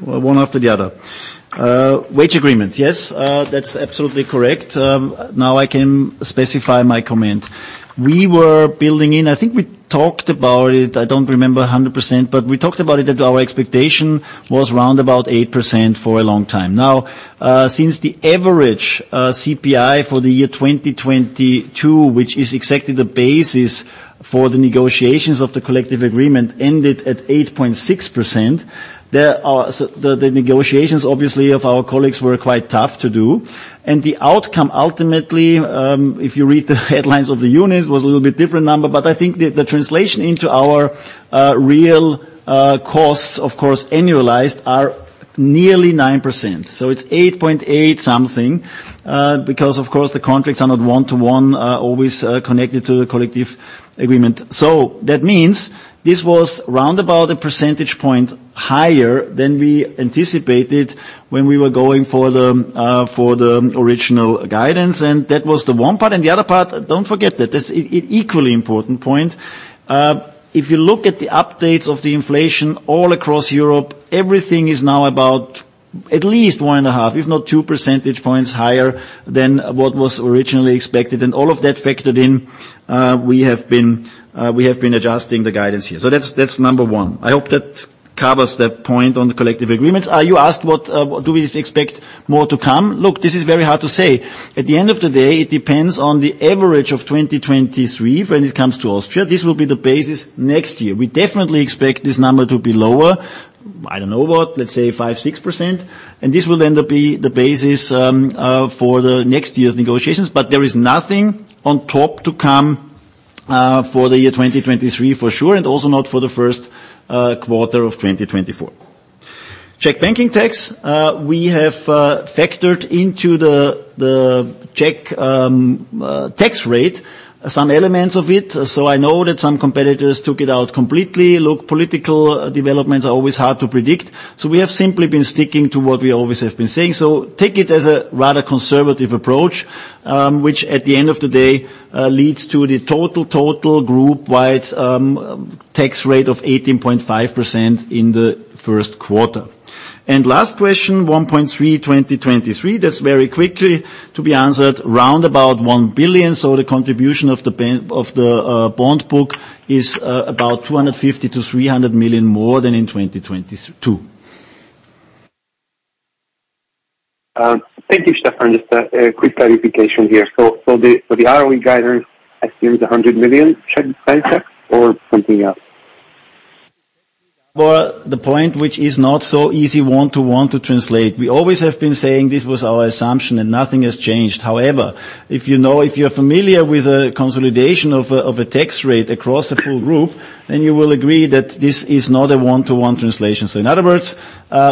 One after the other. Wage agreements. Yes, that's absolutely correct. I can specify my comment. I think we talked about it, I don't remember 100%, but we talked about it, that our expectation was round about 8% for a long time. Since the average CPI for the year 2022, which is exactly the basis for the negotiations of the collective agreement, ended at 8.6%, the negotiations, obviously, of our colleagues were quite tough to do. The outcome, ultimately, if you read the headlines of the units, was a little bit different number, but I think the translation into our real costs, of course, annualized, are nearly 9%. It's 8.8 something, because of course, the contracts are not one-to-one, always, connected to the collective agreement. That means this was round about 1 percentage point higher than we anticipated when we were going for the original guidance. That was the one part. The other part, don't forget that this, equally important point, if you look at the updates of the inflation all across Europe, everything is now about at least 1.5, if not 2 percentage points higher than what was originally expected. All of that factored in, we have been adjusting the guidance here. That's number one. I hope that covers that point on the collective agreements. You asked what do we expect more to come. Look, this is very hard to say. At the end of the day, it depends on the average of 2023 when it comes to Austria. This will be the basis next year. We definitely expect this number to be lower. I don't know what, let's say 5%, 6%. This will then be the basis for the next year's negotiations. There is nothing on top to come for the year 2023, for sure, and also not for the 1st quarter of 2024. Czech banking tax, we have factored into the Czech tax rate some elements of it. I know that some competitors took it out completely. Look, political developments are always hard to predict, so we have simply been sticking to what we always have been saying. Take it as a rather conservative approach, which at the end of the day, leads to the total group-wide tax rate of 18.5% in the first quarter. Last question, 1.3 2023. That's very quickly to be answered round about 1 billion. The contribution of the bond book is about 250 million-300 million more than in 2022. Thank you, Stephan. Just a quick clarification here. The ROE guidance assumes 100 million or something else? The point which is not so easy one-to-one to translate, we always have been saying this was our assumption and nothing has changed. However, if you know, if you're familiar with the consolidation of a tax rate across a full group, then you will agree that this is not a one-to-one translation. In other words,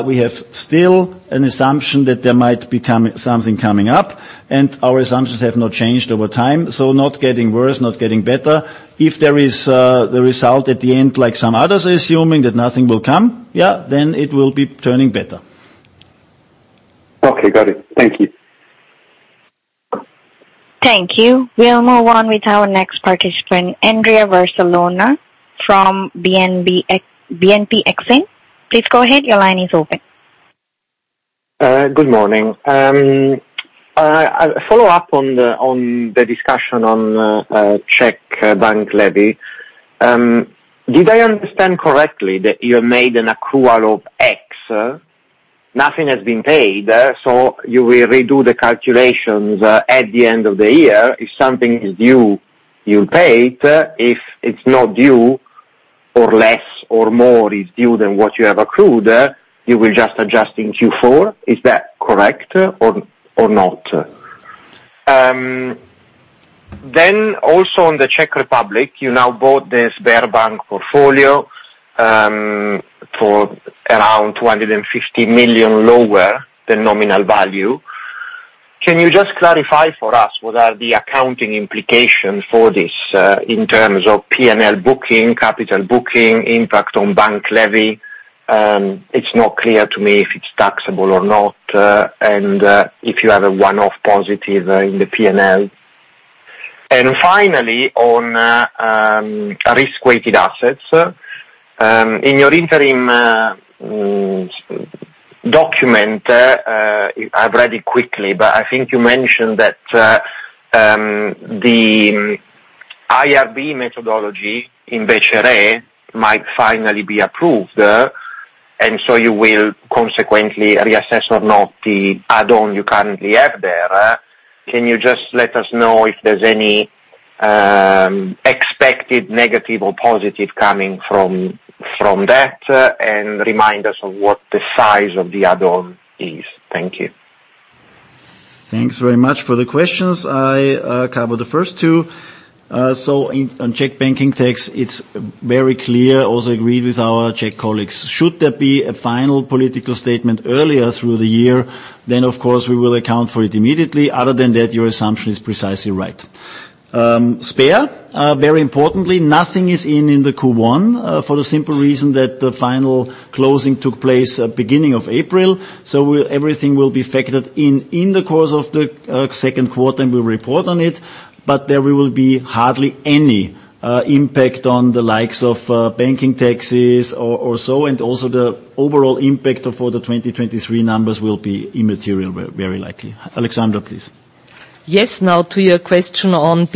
we have still an assumption that there might be something coming up, and our assumptions have not changed over time. Not getting worse, not getting better. If there is the result at the end, like some others are assuming, that nothing will come, then it will be turning better. Okay, got it. Thank you. Thank you. We'll move on with our next participant, Andrea Vercellone from BNP Exane. Please go ahead. Your line is open. Good morning. A follow-up on the discussion on Czech bank levy. Did I understand correctly that you made an accrual of X? Nothing has been paid, so you will redo the calculations at the end of the year. If something is due, you pay it. If it's not due or less or more is due than what you have accrued, you will just adjust in Q4. Is that correct or not? Also on the Czech Republic, you now bought the Sberbank portfolio for around 250 million lower the nominal value. Can you just clarify for us what are the accounting implications for this in terms of P&L booking, capital booking, impact on bank levy? It's not clear to me if it's taxable or not, if you have a one-off positive in the P&L. Finally, on risk-weighted assets, in your interim document, I've read it quickly, but I think you mentioned that the IRB methodology in BCR might finally be approved, you will consequently reassess or not the add-on you currently have there. Can you just let us know if there's any expected negative or positive coming from that, and remind us of what the size of the add-on is? Thank you. Thanks very much for the questions. I cover the first two. On Czech banking tax, it's very clear, also agreed with our Czech colleagues. Should there be a final political statement earlier through the year, then of course we will account for it immediately. Other than that, your assumption is precisely right. Sber, very importantly, nothing is in the Q1 for the simple reason that the final closing took place at beginning of April. Everything will be factored in in the course of the second quarter, and we'll report on it, but there will be hardly any impact on the likes of banking taxes or so, and also the overall impact for the 2023 numbers will be immaterial very, very likely. Alexandra, please. Yes. Now to your question on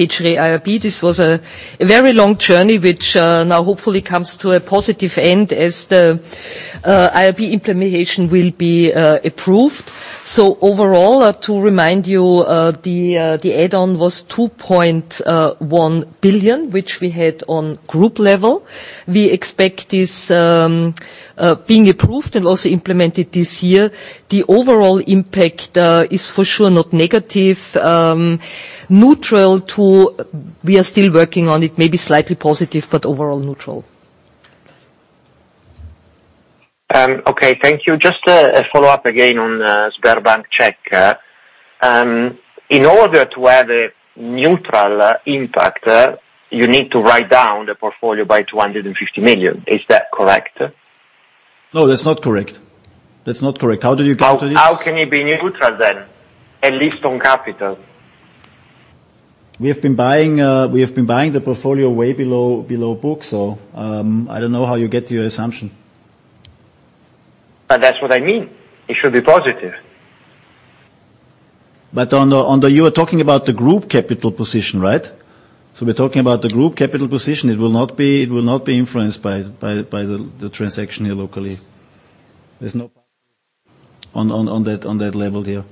Okay, thank you. Just a follow-up again on Sberbank CZ. In order to have a neutral impact, you need to write down the portfolio by 250 million. Is that correct? No, that's not correct. That's not correct. How do you get to this? How can it be neutral then, at least on capital? We have been buying the portfolio way below book, I don't know how you get to your assumption. That's what I mean. It should be positive. You are talking about the group capital position, right? We're talking about the group capital position. It will not be influenced by the transaction here locally. On that level here.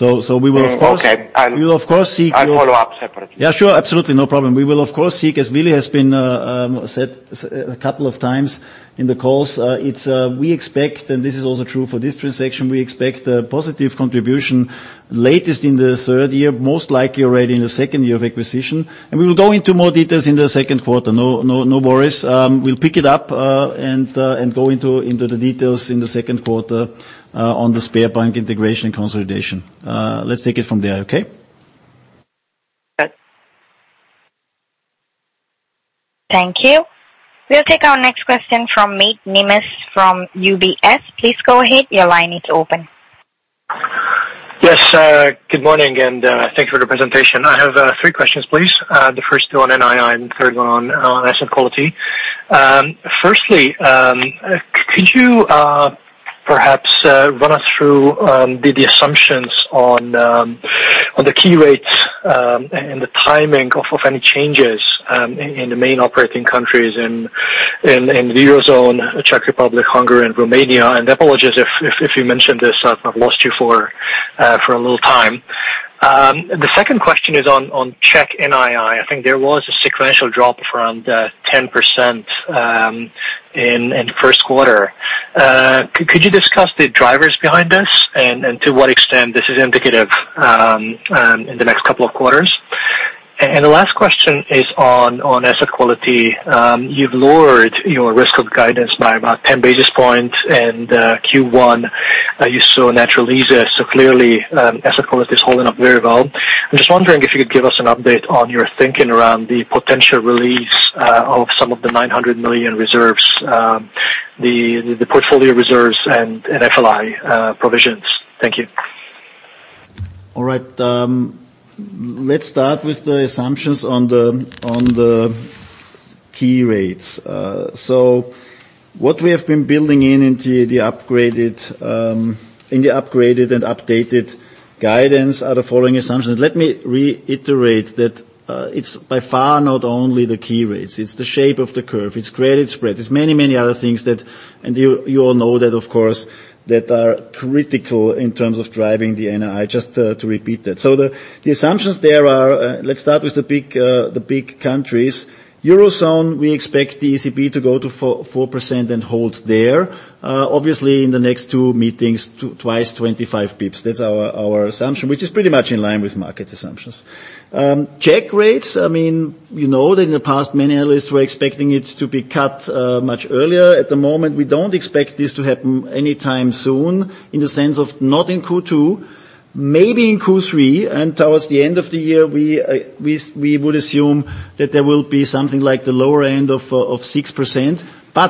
We will of course. Okay. We will of course seek your- I'll follow up separately. Yeah, sure. Absolutely, no problem. We will of course seek, as Willi has been said a couple of times in the calls, it's, we expect, and this is also true for this transaction, we expect a positive contribution latest in the third year, most likely already in the second year of acquisition. We will go into more details in the second quarter. No worries. We'll pick it up and go into the details in the second quarter on the Sberbank integration and consolidation. Let's take it from there, okay? Okay. Thank you. We'll take our next question from Mate Nemes from UBS. Please go ahead. Your line is open. Yes. Good morning, thank you for the presentation. I have three questions, please. The first two on NII and third one on asset quality. Firstly, could you perhaps run us through the assumptions on the key rates and the timing of any changes in the main operating countries in the Eurozone, Czech Republic, Hungary, and Romania? Apologies if you mentioned this, I've lost you for a little time. The second question is on Czech NII. I think there was a sequential drop from the 10% in the first quarter. Could you discuss the drivers behind this and to what extent this is indicative in the next couple of quarters? The last question is on asset quality. You've lowered your risk of guidance by about 10 basis points in Q1. You saw natural leases. Clearly, asset quality is holding up very well. I'm just wondering if you could give us an update on your thinking around the potential release of some of the 900 million reserves, the portfolio reserves and FLI provisions. Thank you. All right. Let's start with the assumptions on the key rates. What we have been building into the upgraded and updated guidance are the following assumptions. Let me reiterate that it's by far not only the key rates, it's the shape of the curve, it's credit spreads. There's many other things that, and you all know that, of course, that are critical in terms of driving the NII, just to repeat that. The assumptions there are, let's start with the big countries. Eurozone, we expect the ECB to go to 4% and hold there, obviously in the next two meetings, twice 25 pips. That's our assumption, which is pretty much in line with market assumptions. Czech rates, I mean, you know that in the past many analysts were expecting it to be cut much earlier. At the moment, we don't expect this to happen anytime soon in the sense of not in Q2, maybe in Q3, and towards the end of the year, we would assume that there will be something like the lower end of 6%.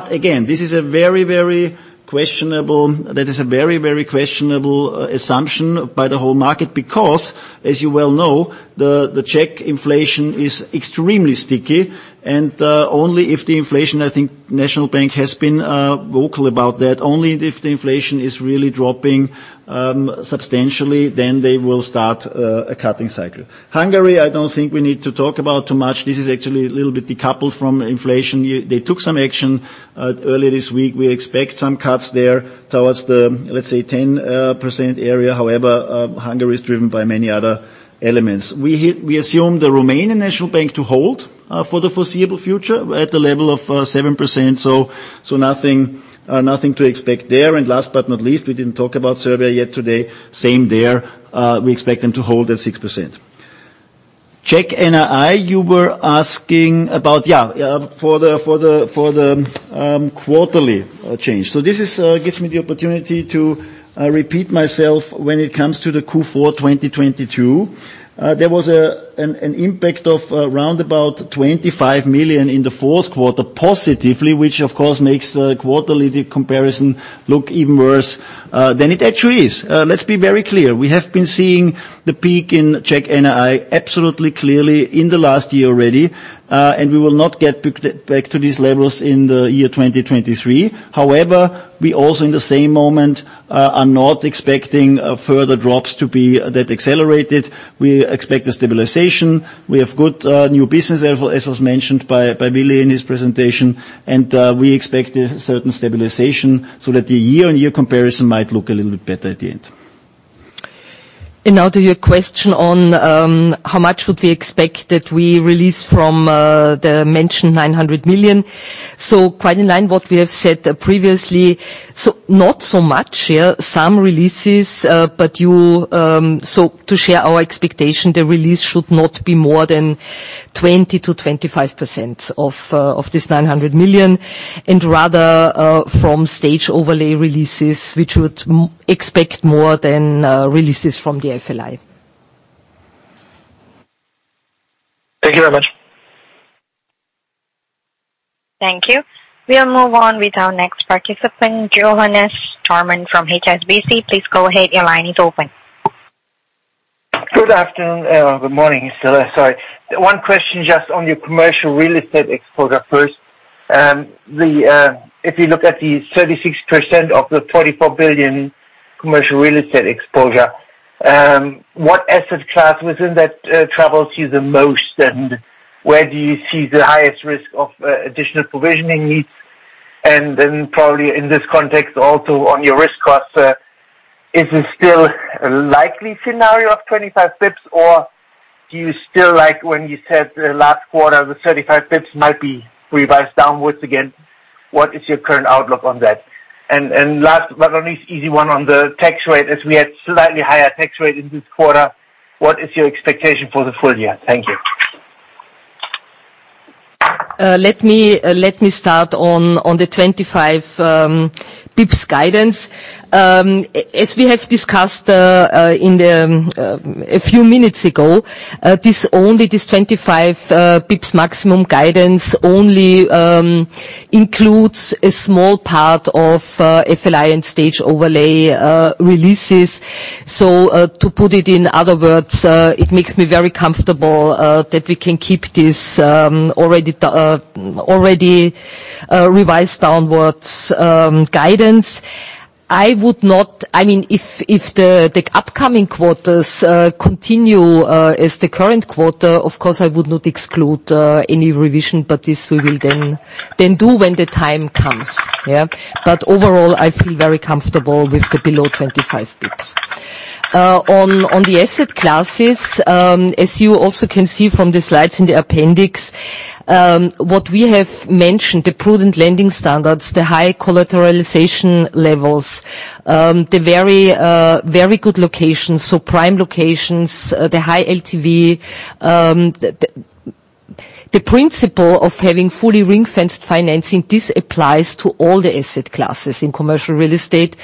Again, this is a very, very questionable, that is a very, very questionable assumption by the whole market because, as you well know, the Czech inflation is extremely sticky, and only if the inflation, I think National Bank has been vocal about that, only if the inflation is really dropping substantially, then they will start a cutting cycle. Hungary, I don't think we need to talk about too much. This is actually a little bit decoupled from inflation. They took some action earlier this week. We expect some cuts there towards the, let's say, 10% area. However, Hungary is driven by many other elements. We assume the National Bank of Romania to hold for the foreseeable future at the level of 7%. Nothing to expect there. Last but not least, we didn't talk about Serbia yet today. Same there. We expect them to hold at 6%. Czech NII, you were asking about. For the quarterly change. This gives me the opportunity to repeat myself when it comes to the Q4 2022. There was an impact of around about 25 million in the fourth quarter positively, which of course makes the quarterly comparison look even worse than it actually is. Let's be very clear. We have been seeing the peak in Czech NII absolutely clearly in the last year already, and we will not get back to these levels in the year 2023. However, we also in the same moment, are not expecting further drops to be that accelerated. We expect a stabilization. We have good new business, as was mentioned by Willi in his presentation, and we expect a certain stabilization so that the year-on-year comparison might look a little bit better at the end. Now to your question on, how much would we expect that we release from the mentioned 900 million. Quite in line what we have said previously, not so much, yeah. Some releases, but you. To share our expectation, the release should not be more than 20%-25% of this 900 million, and rather, from stage overlay releases, which would expect more than releases from the FLI. Thank you very much. Thank you. We'll move on with our next participant, Johannes Thormann from HSBC. Please go ahead. Your line is open. Good afternoon. Good morning, Stella. Sorry. One question just on your commercial real estate exposure first. If you look at the 36% of the 24 billion commercial real estate exposure, what asset class within that troubles you the most, and where do you see the highest risk of additional provisioning needs? Probably in this context also on your risk costs, is it still a likely scenario of 25 basis points, or do you still like when you said last quarter the 35 basis points might be revised downwards again? What is your current outlook on that? Last but not least, easy one on the tax rate, as we had slightly higher tax rate in this quarter, what is your expectation for the full year? Thank you. Let me start on the 25 basis points guidance. As we have discussed in a few minutes ago, this only 25 basis points maximum guidance only includes a small part of FLI and stage overlay releases. To put it in other words, it makes me very comfortable that we can keep this already revised downwards guidance. I mean, if the upcoming quarters continue as the current quarter, of course, I would not exclude any revision, but this we will then do when the time comes. Overall, I feel very comfortable with the below 25 basis points. On the asset classes, as you also can see from the slides in the appendix, what we have mentioned, the prudent lending standards, the high collateralization levels, the very, very good locations, so prime locations, the high LTV, the principle of having fully ring-fenced financing, this applies to all the asset classes in commercial real estate.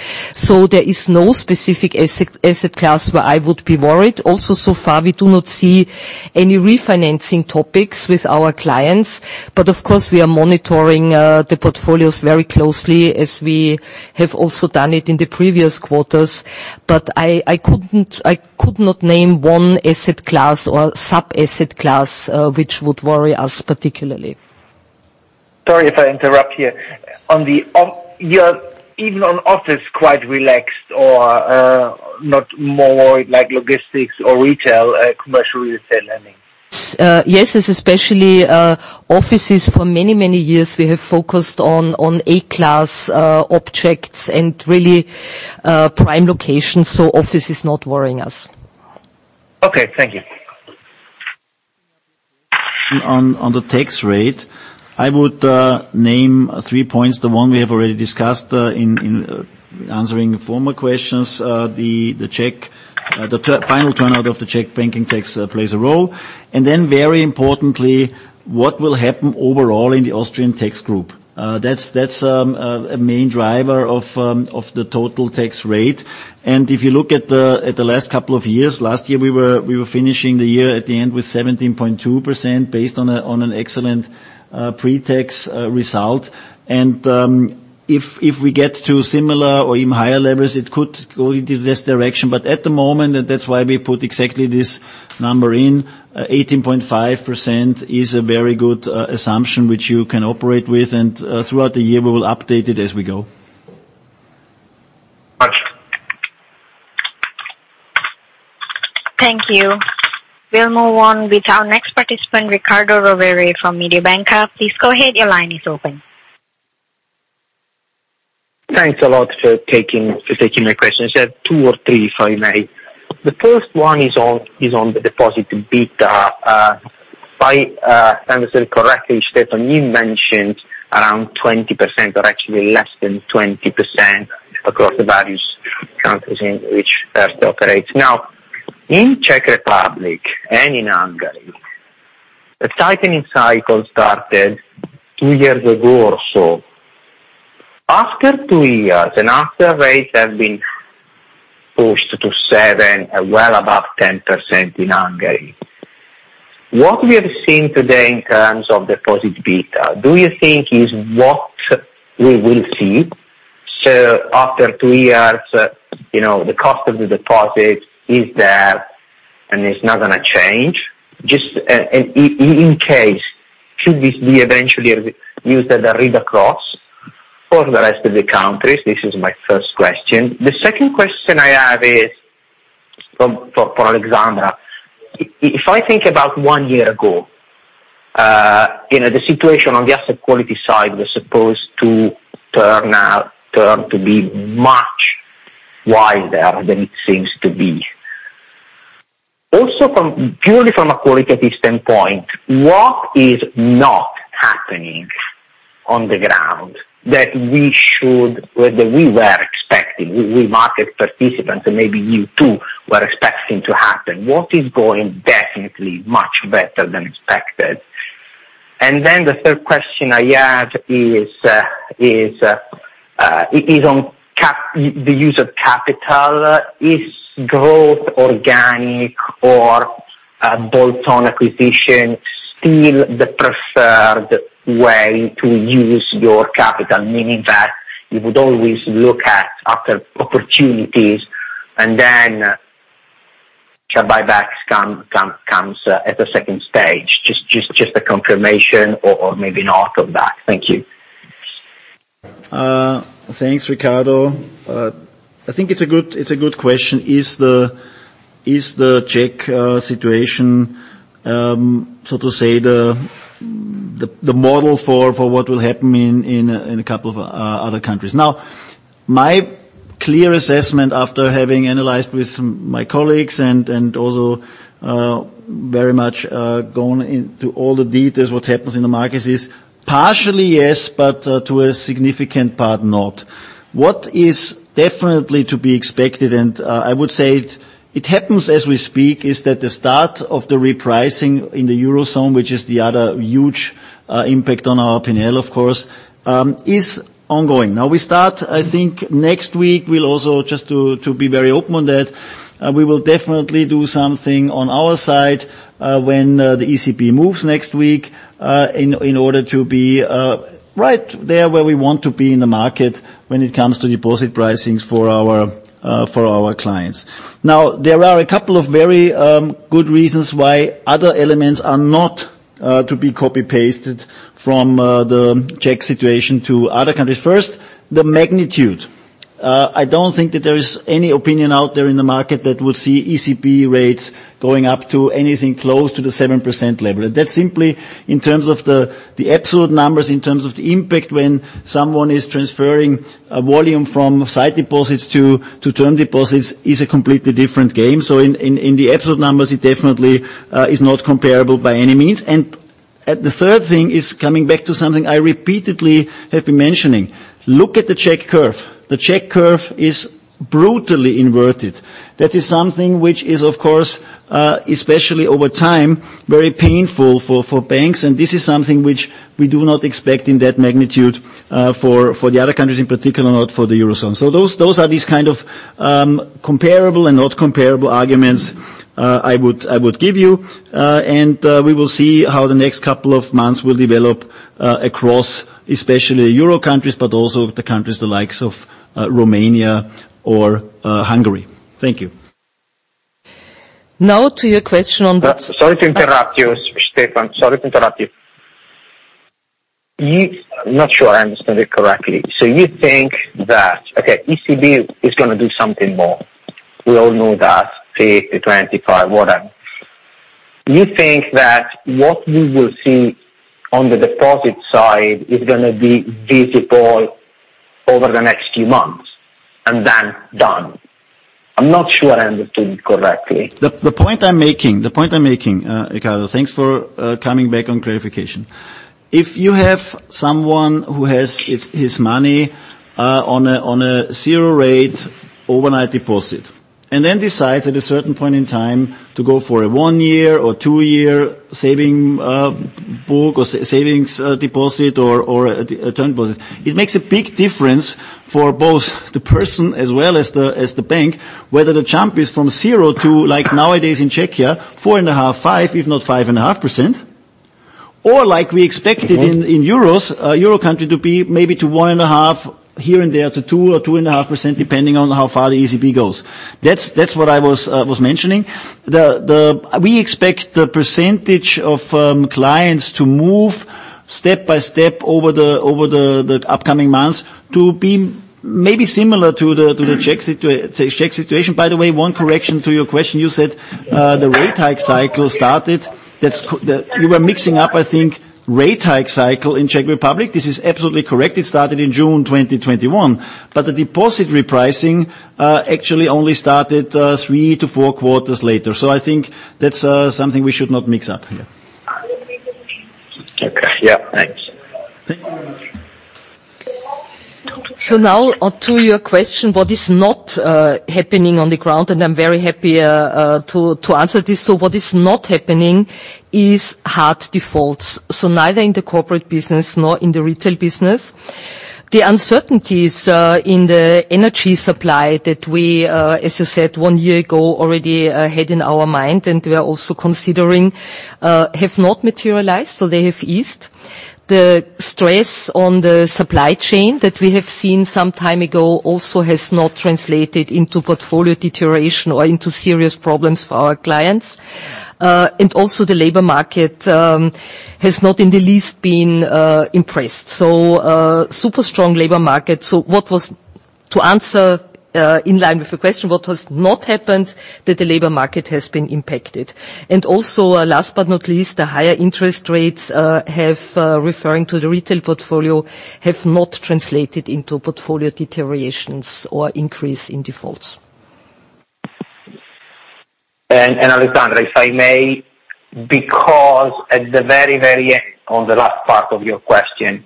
There is no specific asset class where I would be worried. Also, so far, we do not see any refinancing topics with our clients, but of course, we are monitoring the portfolios very closely as we have also done it in the previous quarters. I could not name one asset class or sub-asset class which would worry us particularly. Sorry if I interrupt here. You're even on office quite relaxed or not more worried like logistics or retail, commercial retail, I mean? Yes, it's especially offices for many years we have focused on A class objects and really prime locations. Office is not worrying us. Okay, thank you. On the tax rate, I would name three points. The one we have already discussed in answering former questions, the Czech, the final turnout of the Czech banking tax plays a role. Then very importantly, what will happen overall in the Austrian tax group? That's a main driver of the total tax rate. If you look at the last couple of years, last year, we were finishing the year at the end with 17.2% based on an excellent pre-tax result. If we get to similar or even higher levels, it could go into this direction. At the moment, that's why we put exactly this number in 18.5% is a very good assumption which you can operate with. Throughout the year, we will update it as we go. Gotcha. Thank you. We'll move on with our next participant, Riccardo Rovere from Mediobanca. Please go ahead. Your line is open. Thanks a lot for taking my questions. I have two or three, if I may. The first one is on the deposit beta. If I understood correctly, Stefan, you mentioned around 20% or actually less than 20% across the various countries in which Erste Group operates. Now, in Czech Republic and in Hungary, a tightening cycle started two years ago or so. After two years and after rates have been pushed to 7% and well above 10% in Hungary, what we are seeing today in terms of deposit beta, do you think is what we will see so after two years, you know, the cost of the deposit is there and it's not gonna change? Just, in case, should this be eventually used as a read across for the rest of the countries? This is my first question. The second question I have is for Alexandra. If I think about one year ago, you know, the situation on the asset quality side was supposed to turn to be much wider than it seems to be. Also from, purely from a qualitative standpoint, what is not happening on the ground that we should or that we were expecting, we market participants and maybe you too were expecting to happen? What is going definitely much better than expected? The third question I have is on the use of capital. Is growth organic or bolt-on acquisition still the preferred way to use your capital? Meaning that you would always look at other opportunities and then share buybacks comes at the second stage. Just a confirmation or maybe not on that. Thank you. Thanks, Riccardo. I think it's a good question. Is the Czech situation, so to say the model for what will happen in a couple of other countries. Now, my clear assessment after having analyzed with my colleagues and also very much gone into all the details what happens in the markets is partially yes, but to a significant part, not. What is definitely to be expected, and I would say it happens as we speak, is that the start of the repricing in the Eurozone, which is the other huge impact on our P&L of course, is ongoing. We start, I think next week we'll also, just to be very open on that, we will definitely do something on our side, when the ECB moves next week, in order to be right there where we want to be in the market when it comes to deposit pricings for our for our clients. There are a couple of very good reasons why other elements are not to be copy-pasted from the Czech situation to other countries. First, the magnitude. I don't think that there is any opinion out there in the market that would see ECB rates going up to anything close to the 7% level. That's simply in terms of the absolute numbers, in terms of the impact when someone is transferring a volume from site deposits to term deposits is a completely different game. In the absolute numbers, it definitely is not comparable by any means. The third thing is coming back to something I repeatedly have been mentioning. Look at the Czech curve. The Czech curve is brutally inverted. That is something which is of course, especially over time, very painful for banks, and this is something which we do not expect in that magnitude for the other countries in particular, not for the Euro zone. Those are these kind of comparable and not comparable arguments I would give you. We will see how the next couple of months will develop across especially Euro countries but also the countries the likes of Romania or Hungary. Thank you. Now to your question. Sorry to interrupt you, Stefan. I'm not sure I understand it correctly. You think that Okay, ECB is gonna do something more. We all know that, say to 25, whatever. You think that what we will see on the deposit side is gonna be visible over the next few months and then done. I'm not sure I understood correctly. The point I'm making, Ricardo, thanks for coming back on clarification. If you have someone who has his money on a zero-rate overnight deposit, and then decides at a certain point in time to go for a one-year or two-year saving book or savings deposit or a term deposit, it makes a big difference for both the person as well as the bank, whether the jump is from zero to, like nowadays in Czechia, 4.5%, 5%, if not 5.5%. Or like we expected In Euros, Euro country to be maybe to 1.5, here and there to two or 2.5%, depending on how far the ECB goes. That's what I was mentioning. We expect the percentage of clients to move step by step over the upcoming months to be maybe similar to the Czech situation. By the way, 1 correction to your question. You said the rate hike cycle started. You were mixing up, I think, rate hike cycle in Czech Republic. This is absolutely correct. It started in June 2021. The deposit repricing actually only started three to 4 quarters later. I think that's something we should not mix up here. Okay. Yeah. Thanks. Thank you very much. Now on to your question, what is not happening on the ground, and I'm very happy to answer this. What is not happening is hard defaults. Neither in the corporate business nor in the retail business. The uncertainties in the energy supply that we, as I said, one year ago already, had in our mind and we are also considering, have not materialized, so they have eased. The stress on the supply chain that we have seen some time ago also has not translated into portfolio deterioration or into serious problems for our clients. And also the labor market has not in the least been impressed. Super strong labor market. What was to answer, in line with the question, what has not happened, that the labor market has been impacted. Also, last but not least, the higher interest rates, have, referring to the retail portfolio, have not translated into portfolio deteriorations or increase in defaults. Alexandra, if I may, because at the very, very end on the last part of your question,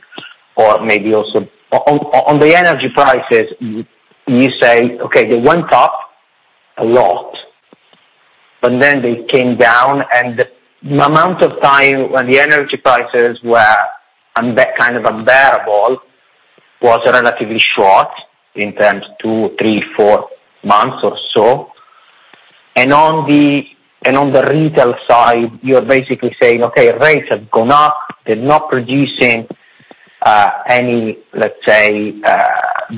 or maybe also. On the energy prices, you say, okay, they went up a lot, but then they came down. The amount of time when the energy prices were kind of unbearable was relatively short in terms two, three, four months or so. On the retail side, you're basically saying, okay, rates have gone up. They're not producing any, let's say,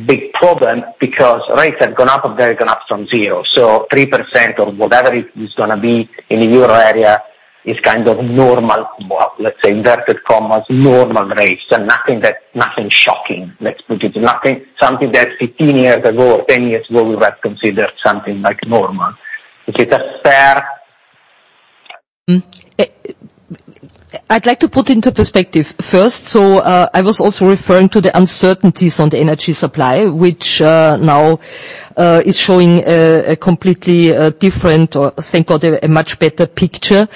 big problem because rates have gone up, but they've gone up from 0. 3% or whatever it is gonna be in the euro area is kind of normal, well, let's say inverted commas, normal rates and nothing shocking. Let's put it something that 15 years ago or 10 years ago we would have considered something like normal. Is it a fair? I'd like to put into perspective first. I was also referring to the uncertainties on the energy supply, which now is showing a completely different or, thank God, a much better picture.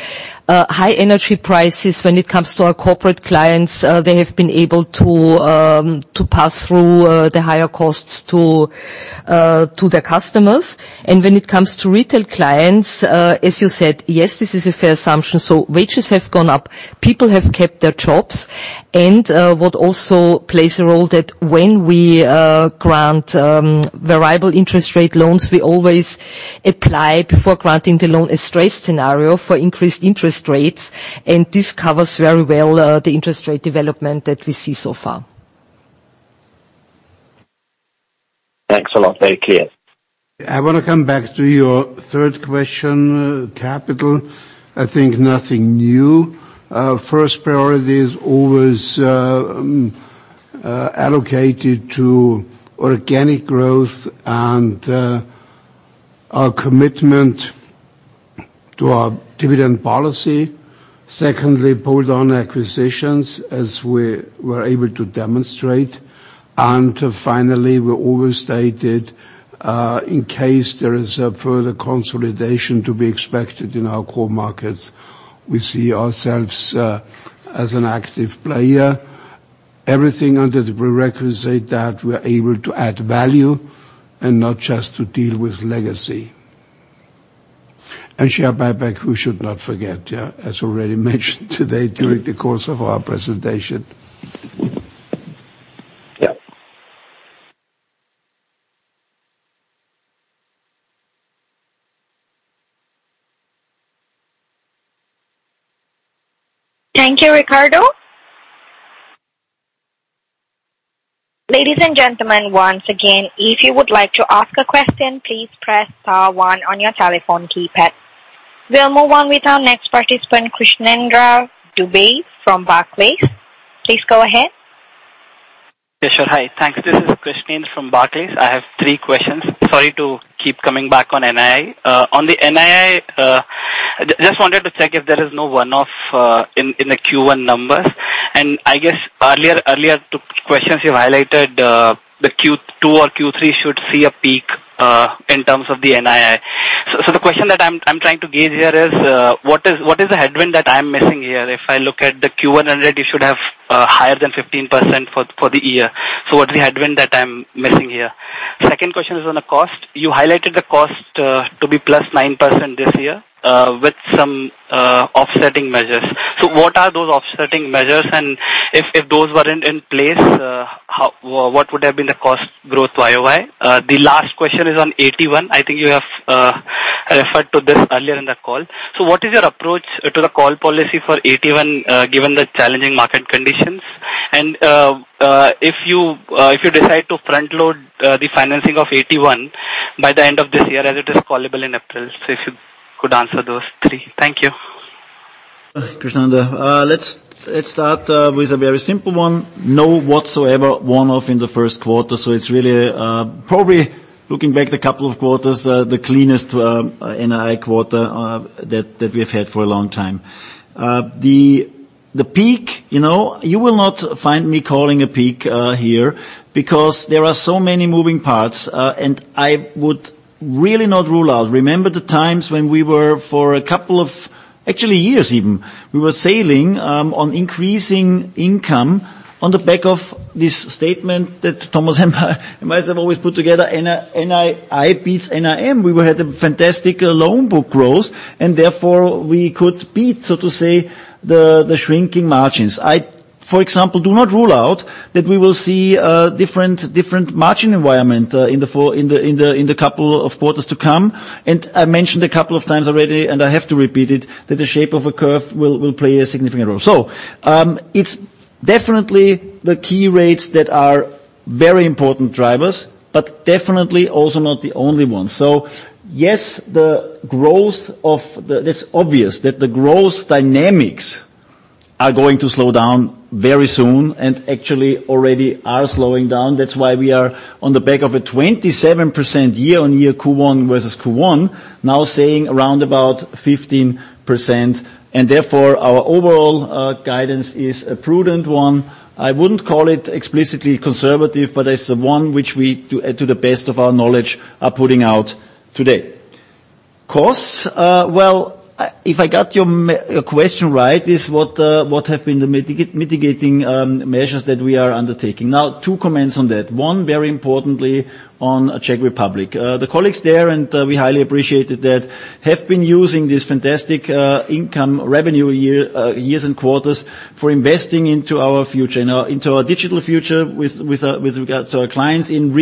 High energy prices when it comes to our corporate clients, they have been able to pass through the higher costs to their customers. When it comes to retail clients, as you said, yes, this is a fair assumption. Wages have gone up. People have kept their jobs. What also plays a role that when we grant variable interest rate loans, we always apply before granting the loan a stress scenario for increased interest rates. This covers very well the interest rate development that we see so far. Thanks a lot. Very clear. I wanna come back to your third question, capital. I think nothing new. Our first priority is always allocated to organic growth and our commitment to our dividend policy. Secondly, bold on acquisitions as we were able to demonstrate. Finally, we always stated, in case there is a further consolidation to be expected in our core markets, we see ourselves as an active player. Everything under the prerequisite that we're able to add value and not just to deal with legacy. Share buyback, we should not forget, yeah, as already mentioned today during the course of our presentation. Yeah. Thank you, Ricardo. Ladies and gentlemen, once again, if you would like to ask a question, please press star one on your telephone keypad. We'll move on with our next participant, Krishnendra Dubey from Barclays. Please go ahead. Yes, sure. Hi. Thanks. This is Krishnendra from Barclays. I have three questions. Sorry to keep coming back on NII. On the NII, just wanted to check if there is no one-off in the Q1 numbers. I guess earlier two questions you highlighted, the Q2 or Q3 should see a peak in terms of the NII. The question that I'm trying to gauge here is, what is the headwind that I'm missing here? If I look at the Q1 and rate, you should have higher than 15% for the year. What's the headwind that I'm missing here? Second question is on the cost. You highlighted the cost to be +9% this year, with some offsetting measures. What are those offsetting measures? If those weren't in place, what would have been the cost growth year-over-year? The last question is on AT1. I think you have referred to this earlier in the call. What is your approach to the call policy for AT1, given the challenging market conditions? If you decide to front load the financing of AT1 by the end of this year as it is callable in April. If you could answer those three. Thank you. Krishnendra, let's start with a very simple one. No whatsoever one-off in the first quarter. It's really, probably looking back the couple of quarters, the cleanest NII quarter that we've had for a long time. The peak, you know, you will not find me calling a peak here because there are so many moving parts, and I would really not rule out. Remember the times when we were for a couple of, actually years even, we were sailing on increasing income on the back of this statement that Thomas and I myself always put together, NII beats NIM. We had a fantastic loan book growth, therefore we could beat, so to say, the shrinking margins. I, for example, do not rule out that we will see a different margin environment in the couple of quarters to come. I mentioned a couple of times already, and I have to repeat it, that the shape of a curve will play a significant role. It's definitely the key rates that are very important drivers, but definitely also not the only ones. Yes, it's obvious that the growth dynamics Are going to slow down very soon and actually already are slowing down. That's why we are on the back of a 27% year-on-year Q1 versus Q1 now saying 15%. Our overall guidance is a prudent one. I wouldn't call it explicitly conservative, but it's the one which we, to the best of our knowledge, are putting out today. Costs, if I got your question right, is what have been the mitigating measures that we are undertaking. Two comments on that. One, very importantly on Czech Republic. The colleagues there, and we highly appreciated that, have been using this fantastic income revenue year, years and quarters for investing into our future. into our digital future with regards to our clients in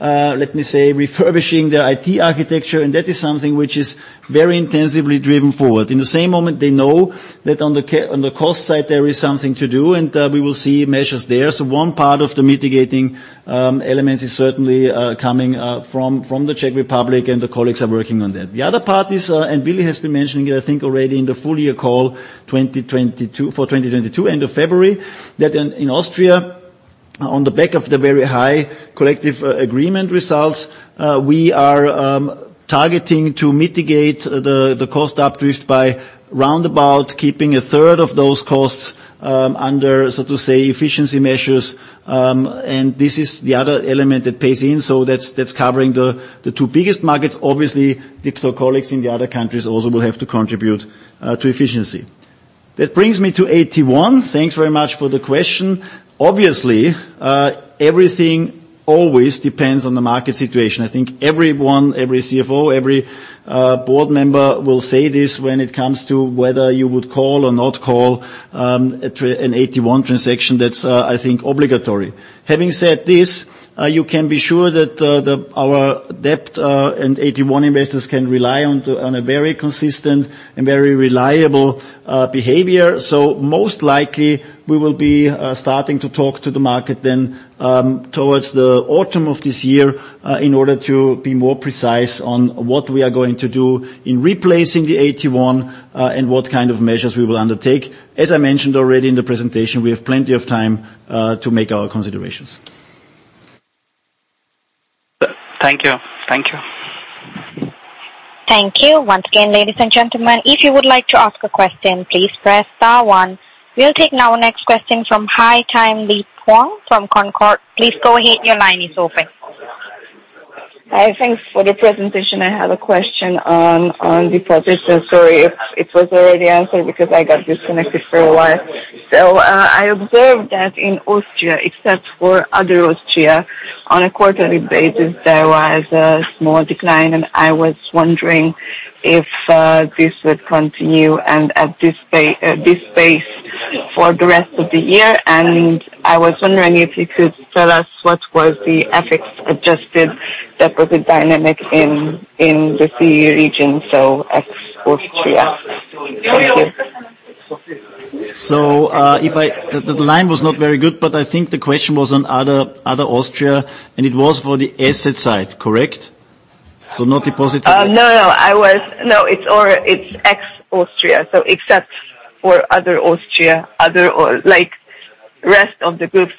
let me say, refurbishing their IT architecture, and that is something which is very intensively driven forward. In the same moment, they know that on the cost side, there is something to do, and we will see measures there. One part of the mitigating elements is certainly coming from the Czech Republic, and the colleagues are working on that. The other part is, Willi has been mentioning it, I think, already in the full year call for 2022, end of February, that in Austria, on the back of the very high collective agreement results, we are targeting to mitigate the cost up drift by roundabout keeping a third of those costs under, so to say, efficiency measures, and this is the other element that pays in. That's covering the two biggest markets. Obviously, the colleagues in the other countries also will have to contribute to efficiency. Brings me to AT1. Thanks very much for the question. Obviously, everything always depends on the market situation. I think everyone, every CFO, every board member will say this when it comes to whether you would call or not call an AT1 transaction that's I think obligatory. Having said this, you can be sure that our debt and AT1 investors can rely on a very consistent and very reliable behavior. Most likely, we will be starting to talk to the market then towards the autumn of this year in order to be more precise on what we are going to do in replacing the AT1 and what kind of measures we will undertake. As I mentioned already in the presentation, we have plenty of time to make our considerations. Thank you. Thank you. Thank you. Once again, ladies and gentlemen, if you would like to ask a question, please press star one. We'll take now our next question from Hai Thanh Le Phuong from Concorde. Please go ahead. Your line is open. Hi. Thanks for the presentation. I have a question on deposits. Sorry if it was already answered because I got disconnected for a while. I observed that in Austria, except for Other Austria, on a quarterly basis, there was a small decline, and I was wondering if this would continue and at this space for the rest of the year. I was wondering if you could tell us what was the FX-adjusted deposit dynamic in the CEE region, so ex-Austria. Thank you. The line was not very good, but I think the question was on Other Austria, and it was for the asset side, correct? Not deposit side. No, no. No, it's or it's ex-Austria, so except for Other Austria, other or like rest of the group.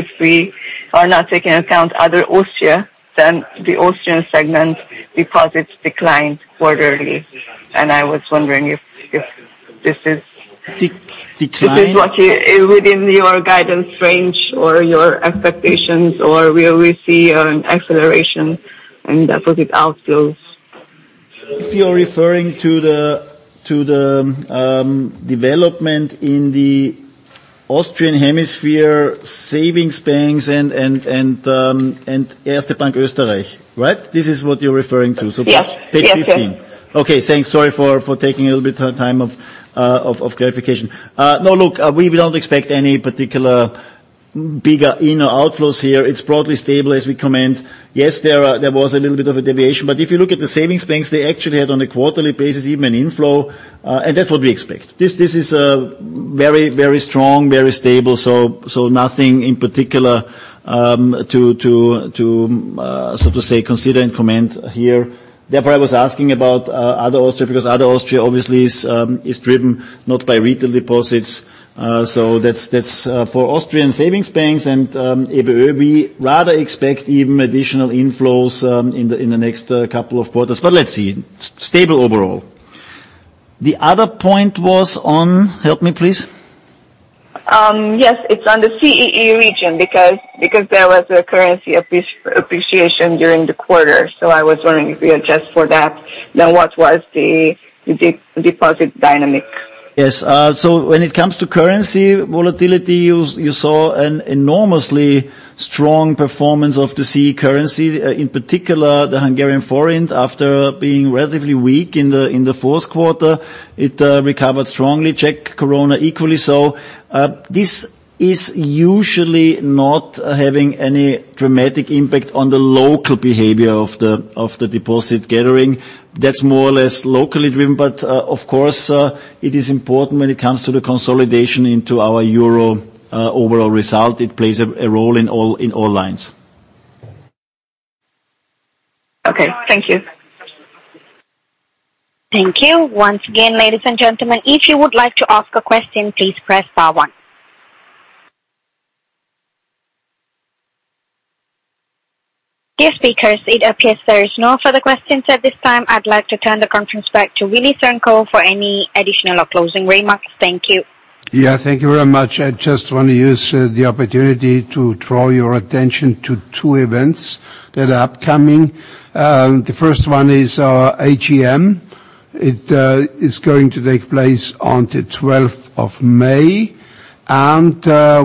If we are not taking account Other Austria, then the Austrian segment deposits declined quarterly. I was wondering if this is. Declined- Within your guidance range or your expectations, or will we see an acceleration in deposit outflows? If you're referring to the development in the Austrian hemisphere savings banks and Erste Bank Österreichs, right? This is what you're referring to. Yeah. Page 15. Okay, thanks. Sorry for taking a little bit time of clarification. No, look, we don't expect any particular bigger in or outflows here. It's broadly stable as we comment. Yes, there was a little bit of a deviation, but if you look at the savings banks, they actually had on a quarterly basis even an inflow, and that's what we expect. This is a very strong, very stable, so nothing in particular to so to say, consider and comment here. Therefore, I was asking about Other Austria because Other Austria obviously is driven not by retail deposits. That's for Austrian savings banks and EBOe, we rather expect even additional inflows in the next couple of quarters. Let's see. Stable overall. The other point was on... Help me, please. Yes, it's on the CEE region because there was a currency appreciation during the quarter. I was wondering if you adjust for that, what was the deposit dynamic? Yes. When it comes to currency volatility, you saw an enormously strong performance of the CEE currency, in particular the Hungarian forint after being relatively weak in the fourth quarter. It recovered strongly. Czech koruna equally so. This is usually not having any dramatic impact on the local behavior of the deposit gathering. That's more or less locally driven. Of course, it is important when it comes to the consolidation into our euro overall result. It plays a role in all lines. Okay. Thank you. Thank you. Once again, ladies and gentlemen, if you would like to ask a question, please press star one. Dear speakers, it appears there is no further questions at this time. I'd like to turn the conference back to Willi Cernko for any additional or closing remarks. Thank you. Yeah, thank you very much. I just want to use the opportunity to draw your attention to two events that are upcoming. The first one is our AGM. It is going to take place on the 12th of May, and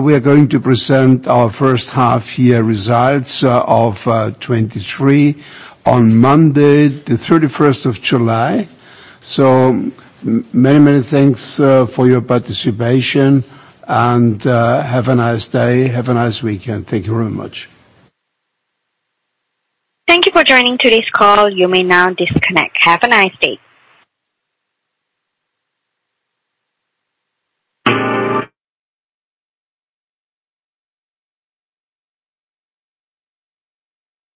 we are going to present our first half year results of 2023 on Monday, the 31st of July. Many thanks for your participation and have a nice day. Have a nice weekend. Thank you very much. Thank you for joining today's call. You may now disconnect. Have a nice day.